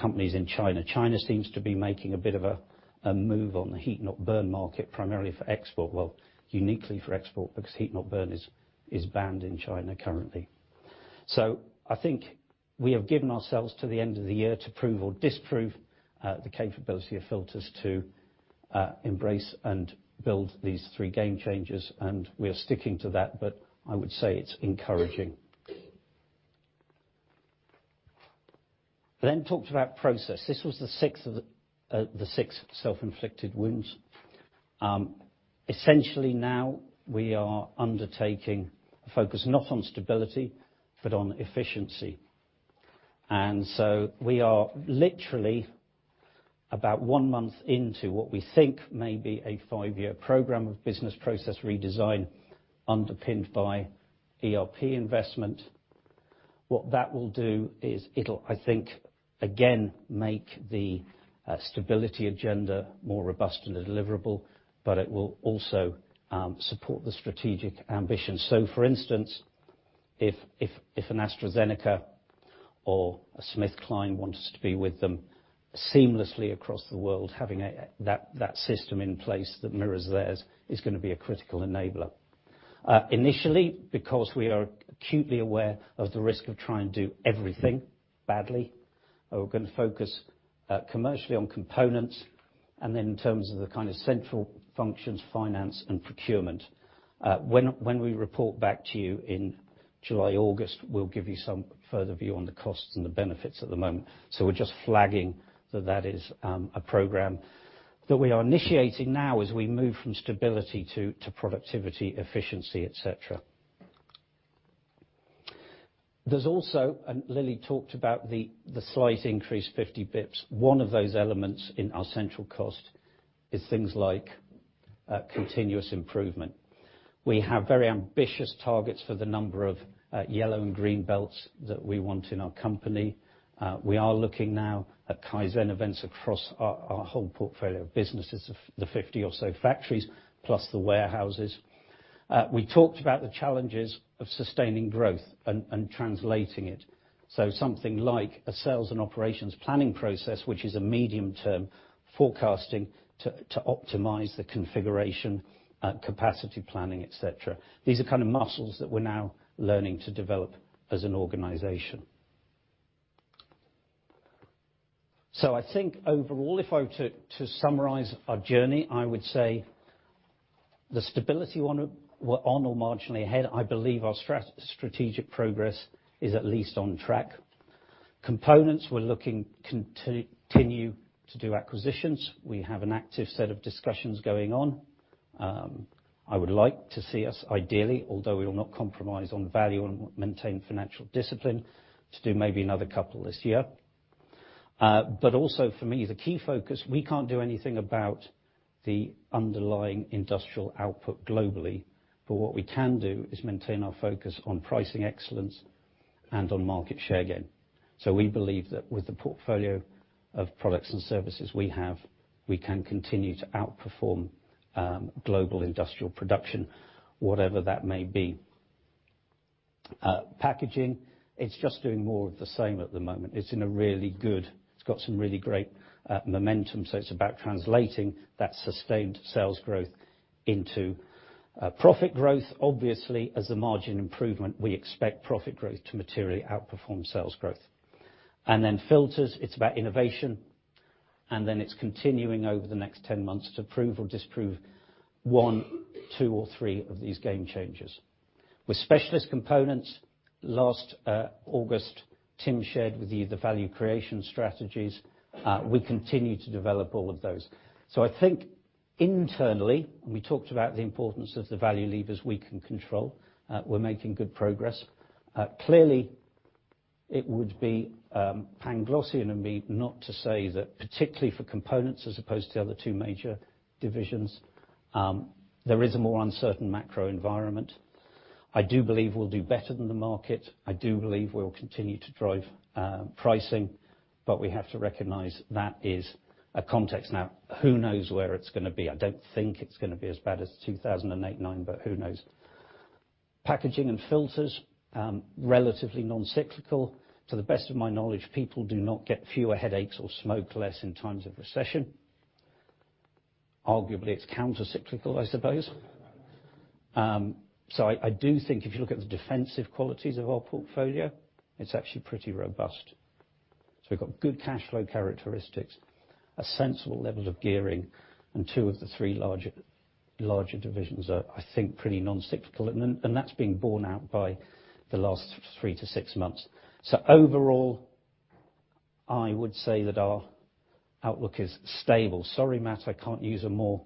companies in China. China seems to be making a bit of a move on the heat-not-burn market, primarily for export. Uniquely for export, because heat-not-burn is banned in China currently. I think we have given ourselves to the end of the year to prove or disprove the capability of Filters to embrace and build these three game changers, and we are sticking to that. I would say it's encouraging. Talked about process. This was the sixth of the six self-inflicted wounds. Essentially now we are undertaking a focus not on stability, but on efficiency. We are literally about one month into what we think may be a five-year program of business process redesign underpinned by ERP investment. What that will do is it'll, I think, again, make the stability agenda more robust and deliverable, but it will also support the strategic ambition. For instance, if an AstraZeneca or a Smith Kline wants to be with them seamlessly across the world, having that system in place that mirrors theirs is going to be a critical enabler. Initially, because we are acutely aware of the risk of trying to do everything badly, we're going to focus commercially on components, and then in terms of the kind of central functions, finance and procurement. When we report back to you in July, August, we'll give you some further view on the costs and the benefits at the moment. We're just flagging that that is a program that we are initiating now as we move from stability to productivity, efficiency, etc. There's also, and Lily talked about the slight increase, 50 basis points. One of those elements in our central cost is things like continuous improvement. We have very ambitious targets for the number of yellow and green belts that we want in our company. We are looking now at Kaizen events across our whole portfolio of businesses, of the 50 or so factories, plus the warehouses. We talked about the challenges of sustaining growth and translating it. Something like a sales and operations planning process, which is a medium term forecasting to optimize the configuration, capacity planning, etc. These are kind of muscles that we're now learning to develop as an organization. I think overall, if I were to summarize our journey, I would say the stability we're on or marginally ahead. I believe our strategic progress is at least on track. Components, we're looking to continue to do acquisitions. We have an active set of discussions going on. I would like to see us ideally, although we will not compromise on value and maintain financial discipline, to do maybe another couple this year. Also, for me, the key focus, we can't do anything about the underlying industrial output globally. What we can do is maintain our focus on pricing excellence and on market share gain. We believe that with the portfolio of products and services we have, we can continue to outperform global industrial production, whatever that may be. Packaging, it's just doing more of the same at the moment. It's got some really great momentum, so it's about translating that sustained sales growth into profit growth. Obviously, as a margin improvement, we expect profit growth to materially outperform sales growth. Filters, it's about innovation, it's continuing over the next 10 months to prove or disprove one, two, or three of these game changers. With specialist components, last August, Tim shared with you the value creation strategies. We continue to develop all of those. I think internally, we talked about the importance of the value levers we can control. We're making good progress. Clearly, it would be Panglossian of me not to say that, particularly for Components as opposed to other two major divisions, there is a more uncertain macro environment. I do believe we'll do better than the market. I do believe we will continue to drive pricing. We have to recognize that is a context. Now, who knows where it's going to be? I don't think it's going to be as bad as 2008-2009, but who knows? Packaging and Filters, relatively non-cyclical. To the best of my knowledge, people do not get fewer headaches or smoke less in times of recession. Arguably, it's counter-cyclical, I suppose. I do think if you look at the defensive qualities of our portfolio, it's actually pretty robust. We've got good cash flow characteristics, a sensible level of gearing, and two of the three larger divisions are, I think, pretty non-cyclical. That's been borne out by the last three to six months. Overall, I would say that our outlook is stable. Sorry, Matt, I can't use a more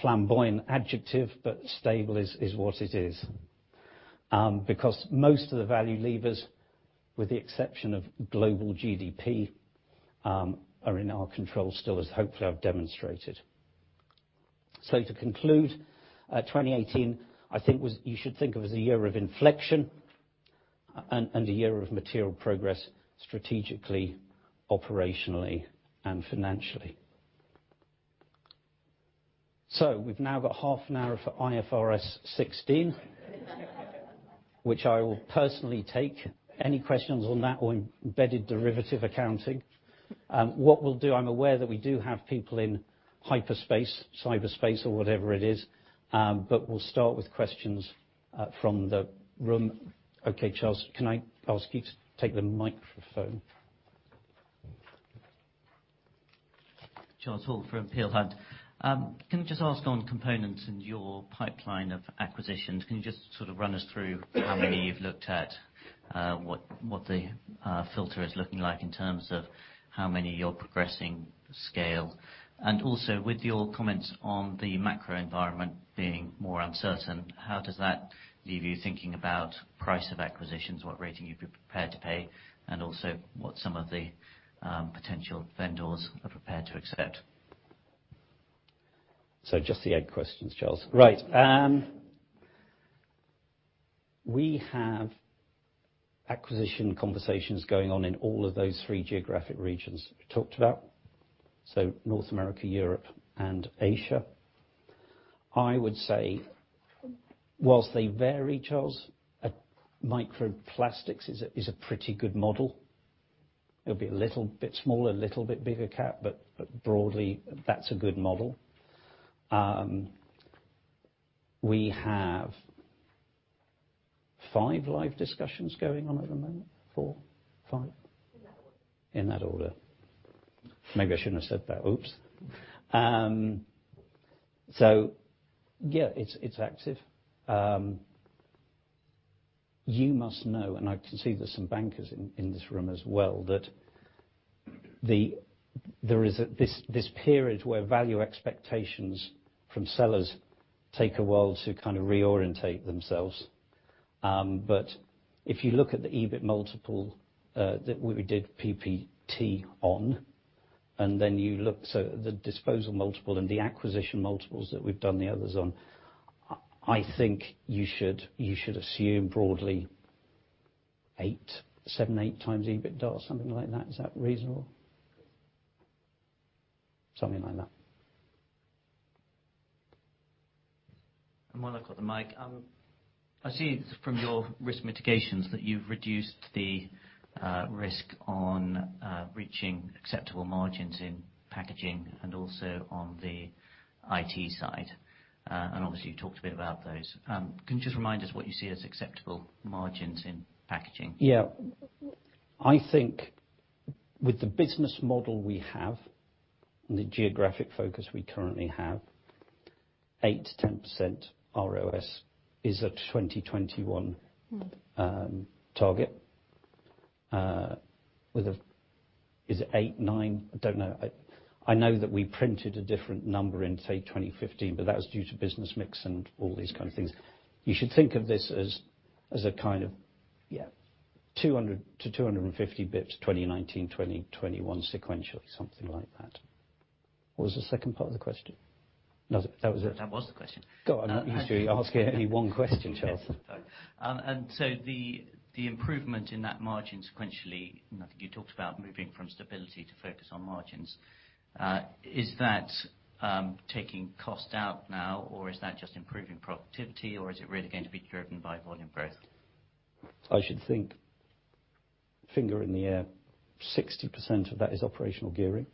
flamboyant adjective, but stable is what it is. Most of the value levers, with the exception of global GDP, are in our control still, as hopefully I've demonstrated. To conclude, 2018, I think you should think of as a year of inflection and a year of material progress strategically, operationally, and financially. We've now got half an hour for IFRS 16. Which I will personally take any questions on that or embedded derivative accounting. We'll do, I'm aware that we do have people in hyperspace, cyberspace, or whatever it is, but we'll start with questions from the room. Okay, Charles, can I ask you to take the microphone? Charles Hall from Peel Hunt. Can I just ask on components and your pipeline of acquisitions, can you just sort of run us through how many you've looked at, what the filter is looking like in terms of how many you're progressing scale? Also, with your comments on the macro environment being more uncertain, how does that leave you thinking about price of acquisitions, what rating you'd be prepared to pay, and also what some of the potential vendors are prepared to accept? Just the egg questions, Charles. Right. We have acquisition conversations going on in all of those three geographic regions we talked about, North America, Europe, and Asia. I would say whilst they vary, Charles, Micro Plastics is a pretty good model. It'll be a little bit smaller, little bit bigger CapEx, but broadly, that's a good model. We have five live discussions going on at the moment. Four? Five? In that order. In that order. Maybe I shouldn't have said that. Oops. Yeah, it's active. You must know, and I can see there's some bankers in this room as well, that there is this period where value expectations from sellers take a while to kind of reorientate themselves. But if you look at the EBIT multiple that we did PPT on, so the disposal multiple and the acquisition multiples that we've done the others on, I think you should assume broadly eight, seven, 8x EBITDA, something like that. Is that reasonable? Something like that. While I've got the mic, I see from your risk mitigations that you've reduced the risk on reaching acceptable margins in packaging and also on the IT side. Obviously, you talked a bit about those. Can you just remind us what you see as acceptable margins in packaging? Yeah. I think with the business model we have and the geographic focus we currently have, 8%-10% ROS is a 2021 target. Is it eight, nine? I don't know. I know that we printed a different number in, say, 2015, but that was due to business mix and all these kind of things. You should think of this as a kind of, yeah, 200-250 basis points 2019, 2020, 2021 sequentially, something like that. What was the second part of the question? No, that was it. That was the question. God, I'm used to you asking only one question, Charles. Sorry. The improvement in that margin sequentially, I think you talked about moving from stability to focus on margins. Is that taking cost out now, or is that just improving productivity, or is it really going to be driven by volume growth? I should think, finger in the air, 60% of that is operational gearing.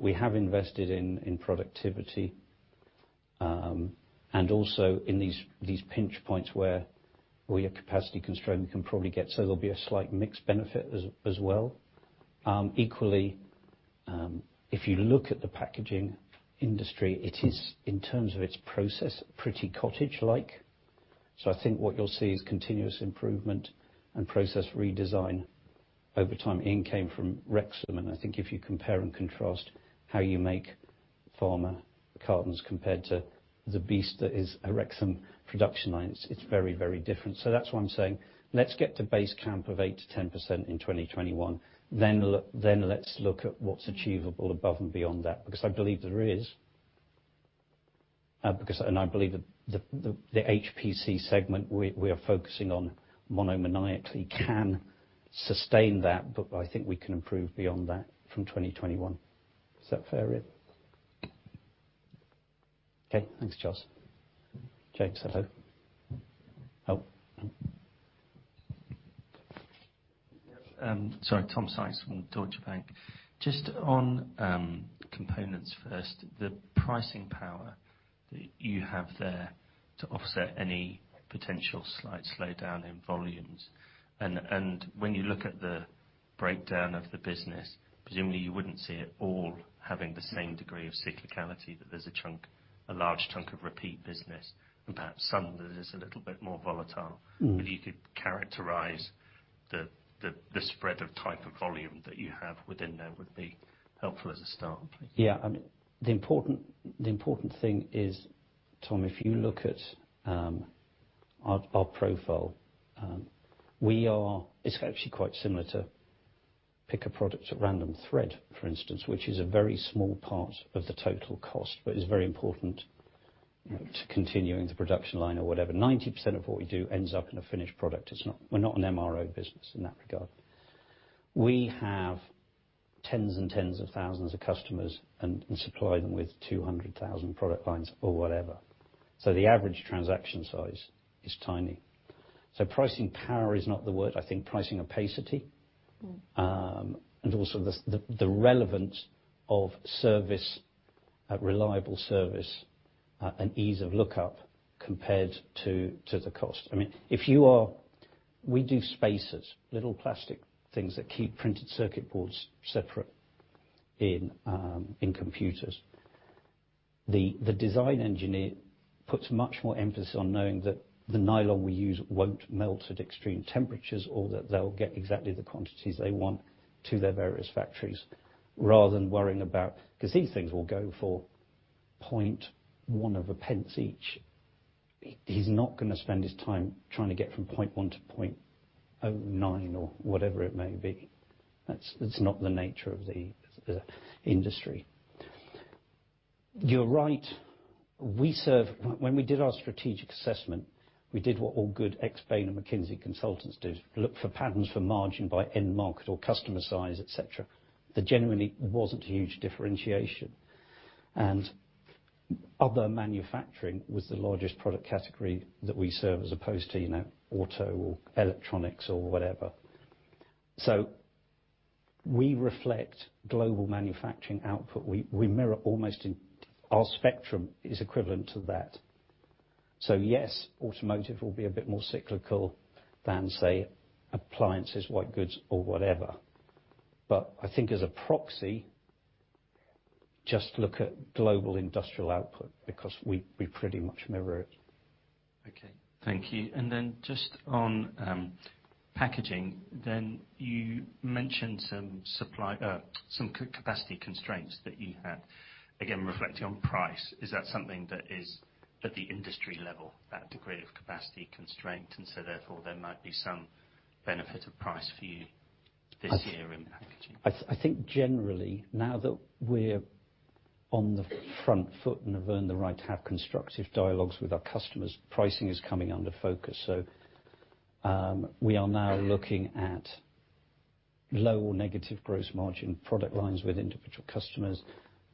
We have invested in productivity, and also in these pinch points where we are capacity constrained, we can probably get, so there'll be a slight mixed benefit as well. Equally, if you look at the packaging industry, it is, in terms of its process, pretty cottage-like. I think what you'll see is continuous improvement and process redesign over time. Ian came from Rexam, and I think if you compare and contrast how you make pharma cartons compared to the beast that is a Rexam production line, it's very different. That's why I'm saying, let's get to base camp of 8%-10% in 2021, then let's look at what's achievable above and beyond that, because I believe there is. I believe the HPC segment we are focusing on monomaniacally can sustain that, but I think we can improve beyond that from 2021. Is that fair, Ian? Okay, thanks, Charles. James, hello. Oh. Sorry. Tom Sykes from Deutsche Bank. Just on Components first, the pricing power that you have there to offset any potential slight slowdown in volumes. When you look at the breakdown of the business, presumably you wouldn't see it all having the same degree of cyclicality, that there's a large chunk of repeat business, and perhaps some that is a little bit more volatile. If you could characterize the spread of type of volume that you have within there would be helpful as a start, please. Yeah. The important thing is, Tom, if you look at our profile, it's actually quite similar to pick a product at random, thread, for instance, which is a very small part of the total cost, but is very important to continuing the production line or whatever. 90% of what we do ends up in a finished product. We're not an MRO business in that regard. We have tens and tens of thousands of customers and supply them with 200,000 product lines or whatever. The average transaction size is tiny. Pricing power is not the word. I think pricing opacity, and also the relevance of reliable service, and ease of lookup compared to the cost. We do spacers, little plastic things that keep printed circuit boards separate in computers. The design engineer puts much more emphasis on knowing that the nylon we use won't melt at extreme temperatures, or that they'll get exactly the quantities they want to their various factories, rather than worrying about. These things will go for 0.10 each. He's not going to spend his time trying to get from 0.10 to 0.09 or whatever it may be. That's not the nature of the industry. You're right. When we did our strategic assessment, we did what all good ex-Bain and McKinsey consultants do, look for patterns for margin by end market or customer size, et cetera. There genuinely wasn't huge differentiation. Other manufacturing was the largest product category that we serve as opposed to auto or electronics or whatever. We reflect global manufacturing output. Our spectrum is equivalent to that. Yes, automotive will be a bit more cyclical than, say, appliances, white goods or whatever. I think as a proxy, just look at global industrial output because we pretty much mirror it. Okay. Thank you. Then just on packaging, then you mentioned some capacity constraints that you had. Again, reflecting on price, is that something that is at the industry level, that degree of capacity constraint, and so therefore, there might be some benefit of price for you this year in packaging? I think generally, now that we're on the front foot and have earned the right to have constructive dialogues with our customers, pricing is coming under focus. We are now looking at low or negative gross margin product lines with individual customers.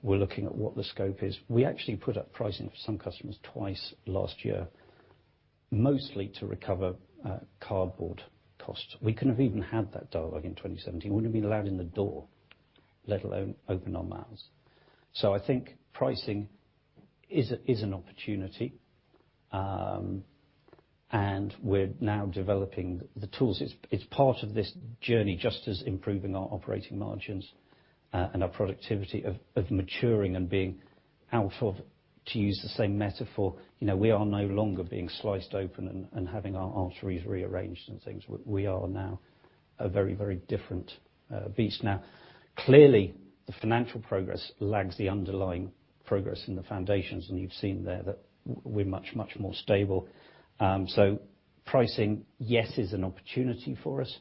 We're looking at what the scope is. We actually put up pricing for some customers twice last year, mostly to recover cardboard costs. We couldn't have even had that dialogue in 2017. Wouldn't have been allowed in the door, let alone open our mouths. I think pricing is an opportunity, and we're now developing the tools. It's part of this journey, just as improving our operating margins, and our productivity of maturing and being out of, to use the same metaphor, we are no longer being sliced open and having our arteries rearranged and things. We are now a very, very different beast. Clearly, the financial progress lags the underlying progress in the foundations, and you've seen there that we're much, much more stable. Pricing, yes, is an opportunity for us,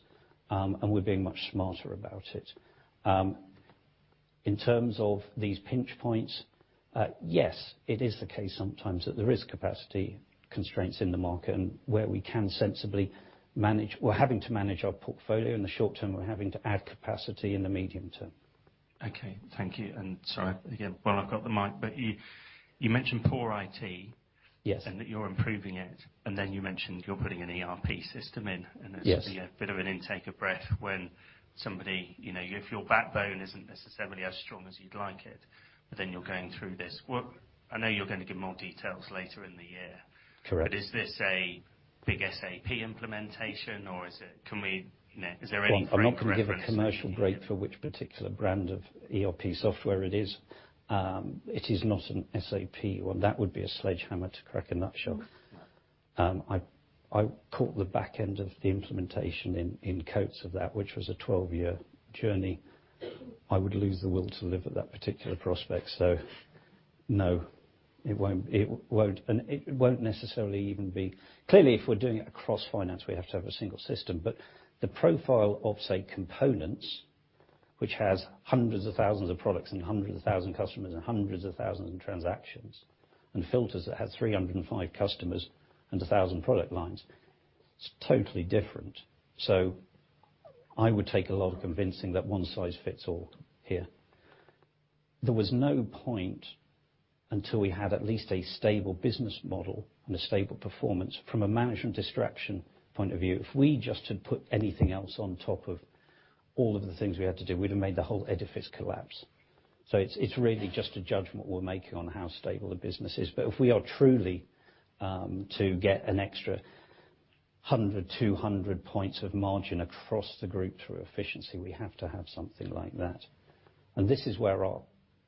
and we're being much smarter about it. In terms of these pinch points, yes, it is the case sometimes that there is capacity constraints in the market, and where we can sensibly manage We're having to manage our portfolio in the short term, we're having to add capacity in the medium term. Okay. Thank you. Sorry again, while I've got the mic, you mentioned poor IT. Yes. That you're improving it. You mentioned you're putting an ERP system. Yes There's going to be a bit of an intake of breath when somebody, if your backbone isn't necessarily as strong as you'd like it, you're going through this. I know you're going to give more details later in the year. Correct. Is this a big SAP implementation or is there any frame of reference? I'm not going to give a commercial break for which particular brand of ERP software it is. It is not an SAP one. That would be a sledgehammer to crack a nutshell. I caught the back end of the implementation in Coats of that, which was a 12-year journey. I would lose the will to live at that particular prospect. No, it won't. It won't necessarily even be. Clearly, if we're doing it across finance, we have to have a single system. The profile of, say, Components, which has hundreds of thousands of products and hundreds of thousand customers and hundreds of thousands of transactions, and Filters that have 305 customers and a thousand product lines, it's totally different. I would take a lot of convincing that one size fits all here. There was no point until we had at least a stable business model and a stable performance from a management distraction point of view. If we just had put anything else on top of all of the things we had to do, we'd have made the whole edifice collapse. It's really just a judgment we're making on how stable the business is. If we are truly to get an extra 100, 200 points of margin across the group through efficiency, we have to have something like that. This is where our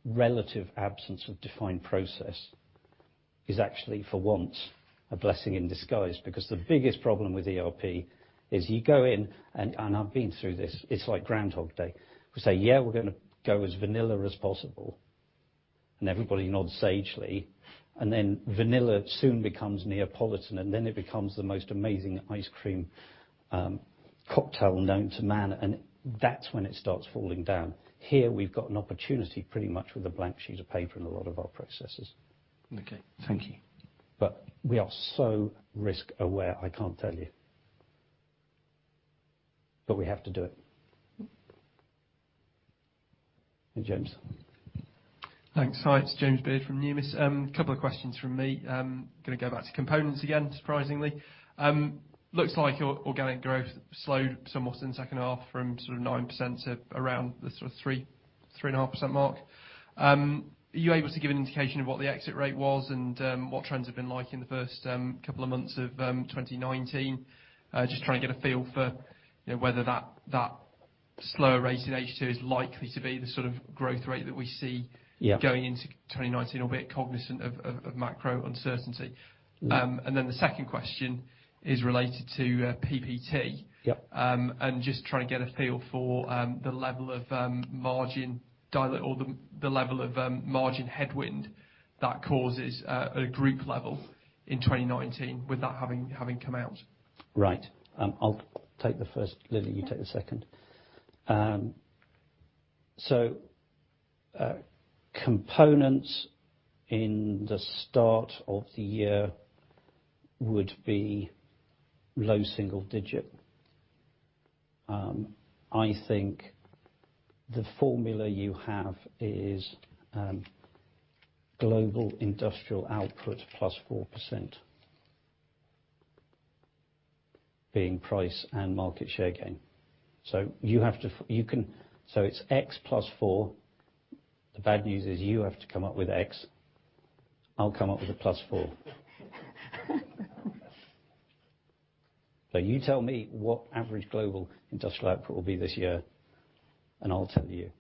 relative absence of defined process is actually, for once, a blessing in disguise. Because the biggest problem with ERP is you go in, and I've been through this, it's like Groundhog Day. We say, "Yeah, we're gonna go as vanilla as possible." Everybody nods sagely, vanilla soon becomes Neapolitan, it becomes the most amazing ice cream cocktail known to man, that's when it starts falling down. Here, we've got an opportunity pretty much with a blank sheet of paper in a lot of our processes. Okay. Thank you. We are so risk aware, I can't tell you. We have to do it. Hey, James. Thanks. Hi, it's James Beard from Numis. Couple of questions from me. I'm going to go back to components again, surprisingly. Looks like your organic growth slowed somewhat in the second half from 9% to around the 3.5% mark. Are you able to give an indication of what the exit rate was and what trends have been like in the first couple of months of 2019? Just trying to get a feel for whether that slower rate in H2 is likely to be the sort of growth rate that we see- Yeah. going into 2019, albeit cognizant of macro uncertainty. The second question is related to PPT. Yep. Just trying to get a feel for the level of margin headwind that causes at a group level in 2019 with that having come out. Right. I'll take the first. Lily, you take the second. Yeah. Components in the start of the year would be low single digit. I think the formula you have is global industrial output plus 4%, being price and market share gain. It's X plus four. The bad news is you have to come up with X. I'll come up with the plus four. You tell me what average global industrial output will be this year, and I'll tell you.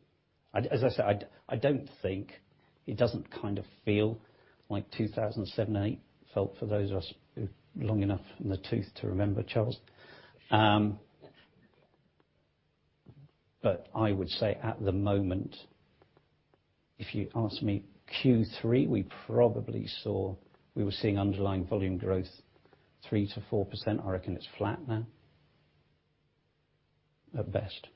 As I said, I don't think It doesn't kind of feel like 2007 and 2008 felt for those of us who are long enough in the tooth to remember, Charles. I would say at the moment, if you ask me Q3, we probably saw we were seeing underlying volume growth 3%-4%. I reckon it's flat now, at best.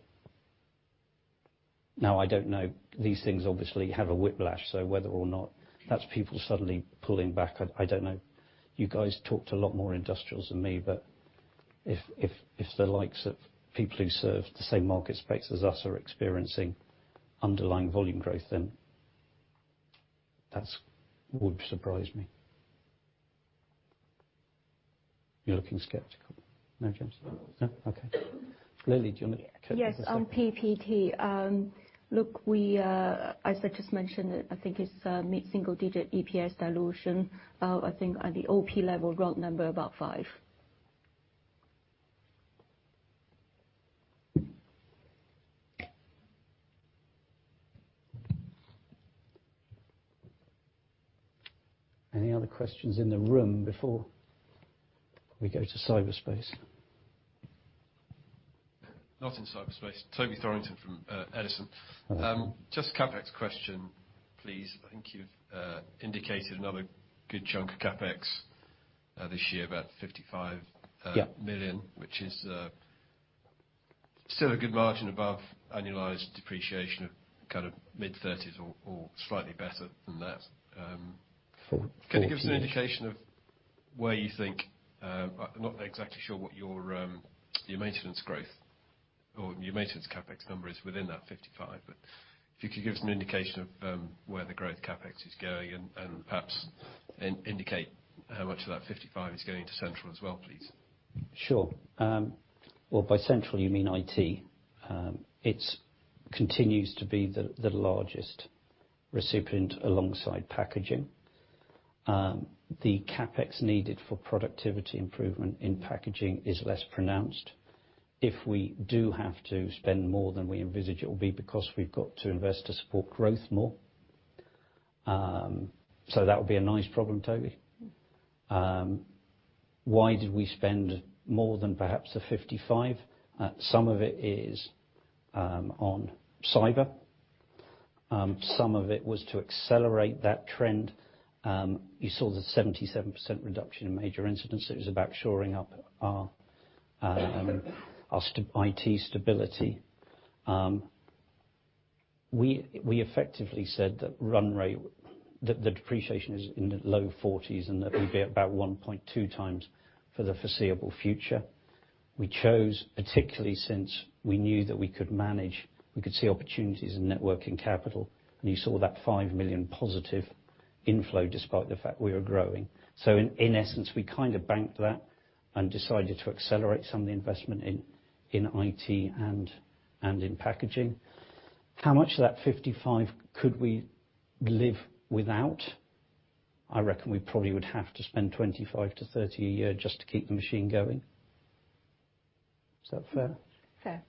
I don't know. These things obviously have a whiplash, whether or not that's people suddenly pulling back, I don't know. You guys talked a lot more industrials than me, if the likes of people who serve the same market space as us are experiencing underlying volume growth, then that would surprise me. You're looking skeptical. No, James? No. No? Okay. Lily, do you want to take the second? Yes, on PPT. Look, as I just mentioned, I think it's mid-single digit EPS dilution. I think at the OP level, rough number, about five. Any other questions in the room before we go to cyberspace? Not in cyberspace. Toby Thorrington from Edison. Edison. Just a CapEx question, please. I think you've indicated another good chunk of CapEx, this year, about 55- Yeah million, which is still a good margin above annualized depreciation of GBP mid-30s million or slightly better than that. Four. Can you give us an indication of where you think I'm not exactly sure what your maintenance growth or your maintenance CapEx number is within that 55 million, if you could give us an indication of where the growth CapEx is going and perhaps indicate how much of that 55 million is going to Essentra as well, please? Sure. Well, by central you mean IT. It continues to be the largest recipient alongside packaging. The CapEx needed for productivity improvement in packaging is less pronounced. If we do have to spend more than we envisage, it will be because we've got to invest to support growth more. That would be a nice problem, Toby. Why did we spend more than perhaps 55? Some of it is on cyber. Some of it was to accelerate that trend. You saw the 77% reduction in major incidents. It was about shoring up our IT stability. We effectively said that run rate, that the depreciation is in the low 40s and that it'd be about 1.2x for the foreseeable future. We chose, particularly since we knew that we could manage, we could see opportunities in net working capital, and you saw that 5 million positive inflow despite the fact we were growing. In essence, we kind of banked that and decided to accelerate some of the investment in IT and in packaging. How much of that 55 could we live without? I reckon we probably would have to spend 25 million-30 million a year just to keep the machine going. Is that fair? Fair.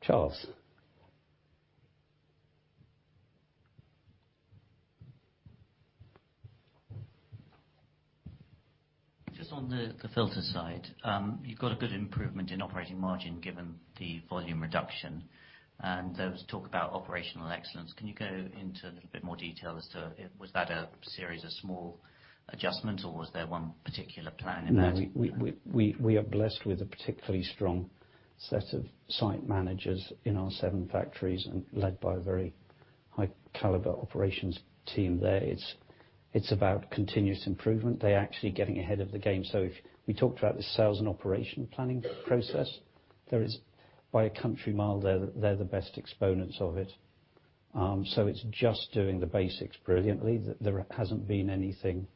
Charles. Just on the Filters side, you've got a good improvement in operating margin given the volume reduction, and there was talk about operational excellence. Can you go into a little bit more detail as to, was that a series of small adjustments, or was there one particular plan in there? No, we are blessed with a particularly strong set of site managers in our seven factories and led by a very high caliber operations team there. It's about continuous improvement. They're actually getting ahead of the game. If we talked about the sales and operations planning process, there is, by a country mile, they're the best exponents of it. It's just doing the basics brilliantly. There hasn't been anything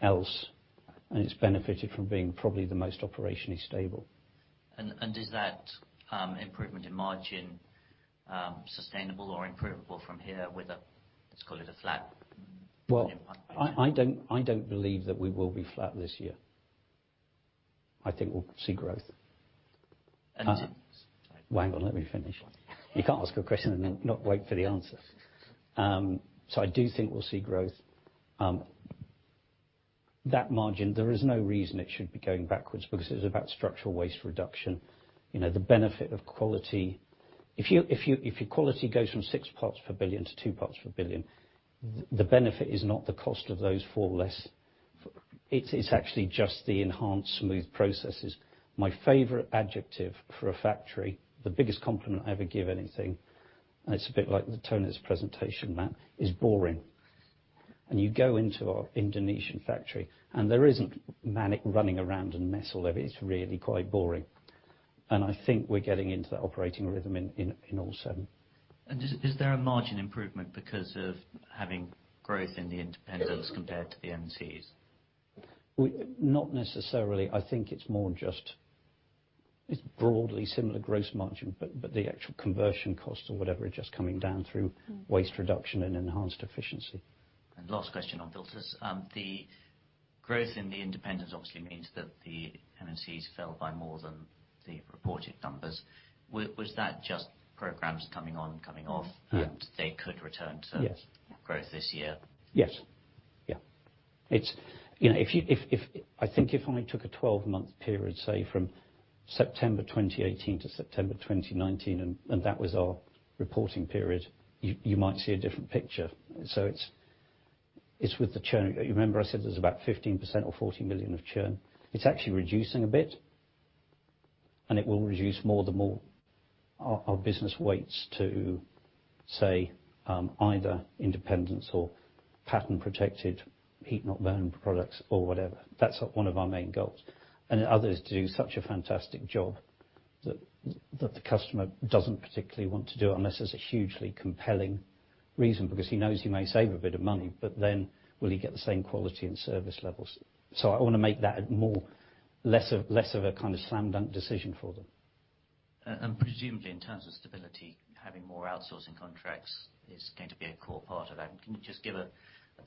else, and it's benefited from being probably the most operationally stable. Is that improvement in margin sustainable or improvable from here with a, let's call it a flat I don't believe that we will be flat this year. I think we'll see growth. And- Hang on, let me finish. You can't ask a question and then not wait for the answer. I do think we'll see growth. That margin, there is no reason it should be going backwards because it was about structural waste reduction. The benefit of quality. If your quality goes from six parts per billion to two parts per billion, the benefit is not the cost of those four less. It's actually just the enhanced, smooth processes. My favorite adjective for a factory, the biggest compliment I ever give anything, and it's a bit like Toby's presentation, Matt, is boring. You go into our Indonesian factory, and there isn't manic running around and mess all over. It's really quite boring. I think we're getting into that operating rhythm in all seven. Is there a margin improvement because of having growth in the independents compared to the MNCs? Not necessarily. I think it's more just, it's broadly similar gross margin, the actual conversion cost or whatever, it's just coming down through waste reduction and enhanced efficiency. Last question on Filters. The growth in the independents obviously means that the MNCs fell by more than the reported numbers. Was that just programs coming on, coming off- Yeah. They could return to- Yes. Growth this year? Yes. Yeah. I think if I took a 12-month period, say from September 2018 to September 2019 and that was our reporting period, you might see a different picture. It's with the churn. You remember I said there's about 15% or 40 million of churn? It's actually reducing a bit, and it will reduce more the more our business waits to, say, either independents or patent protected heat-not-burn products or whatever. That's one of our main goals. Others do such a fantastic job that the customer doesn't particularly want to do it unless there's a hugely compelling reason, because he knows he may save a bit of money, but then will he get the same quality and service levels? I want to make that more, less of a kind of slam dunk decision for them. Presumably in terms of stability, having more outsourcing contracts is going to be a core part of that. Can you just give a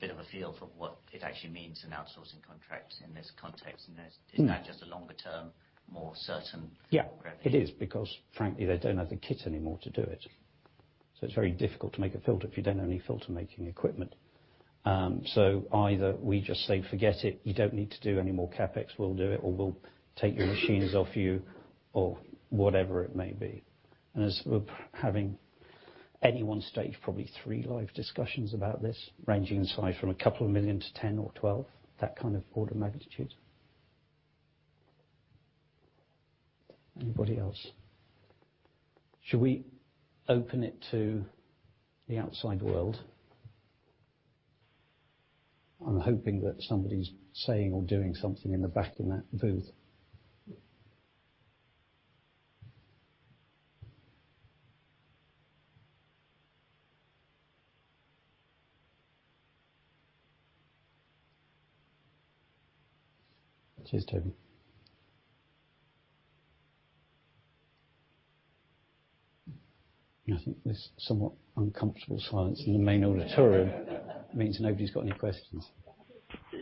bit of a feel for what it actually means in outsourcing contracts in this context? Is that just a longer term, more certain program? Yeah. It is because frankly, they don't have the kit anymore to do it. It's very difficult to make a filter if you don't have any filter making equipment. Either we just say, "Forget it. You don't need to do any more CapEx. We'll do it, or we'll take your machines off you," or whatever it may be. As we're having any one stage, probably three live discussions about this, ranging in size from a couple of million to 10 million or 12 million, that kind of order of magnitude. Anybody else? Shall we open it to the outside world? I'm hoping that somebody's saying or doing something in the back of that booth. Cheers, Toby. I think this somewhat uncomfortable silence in the main auditorium means nobody's got any questions.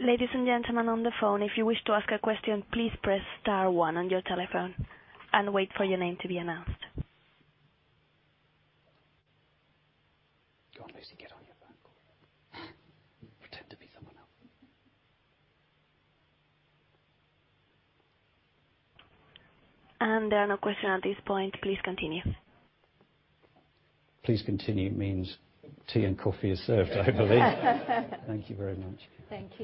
Ladies and gentlemen on the phone, if you wish to ask a question, please press star one on your telephone and wait for your name to be announced. Go on, Lucy, get on your phone call. Pretend to be someone else. There are no question at this point. Please continue. Please continue means tea and coffee is served, I believe. Thank you very much. Thank you.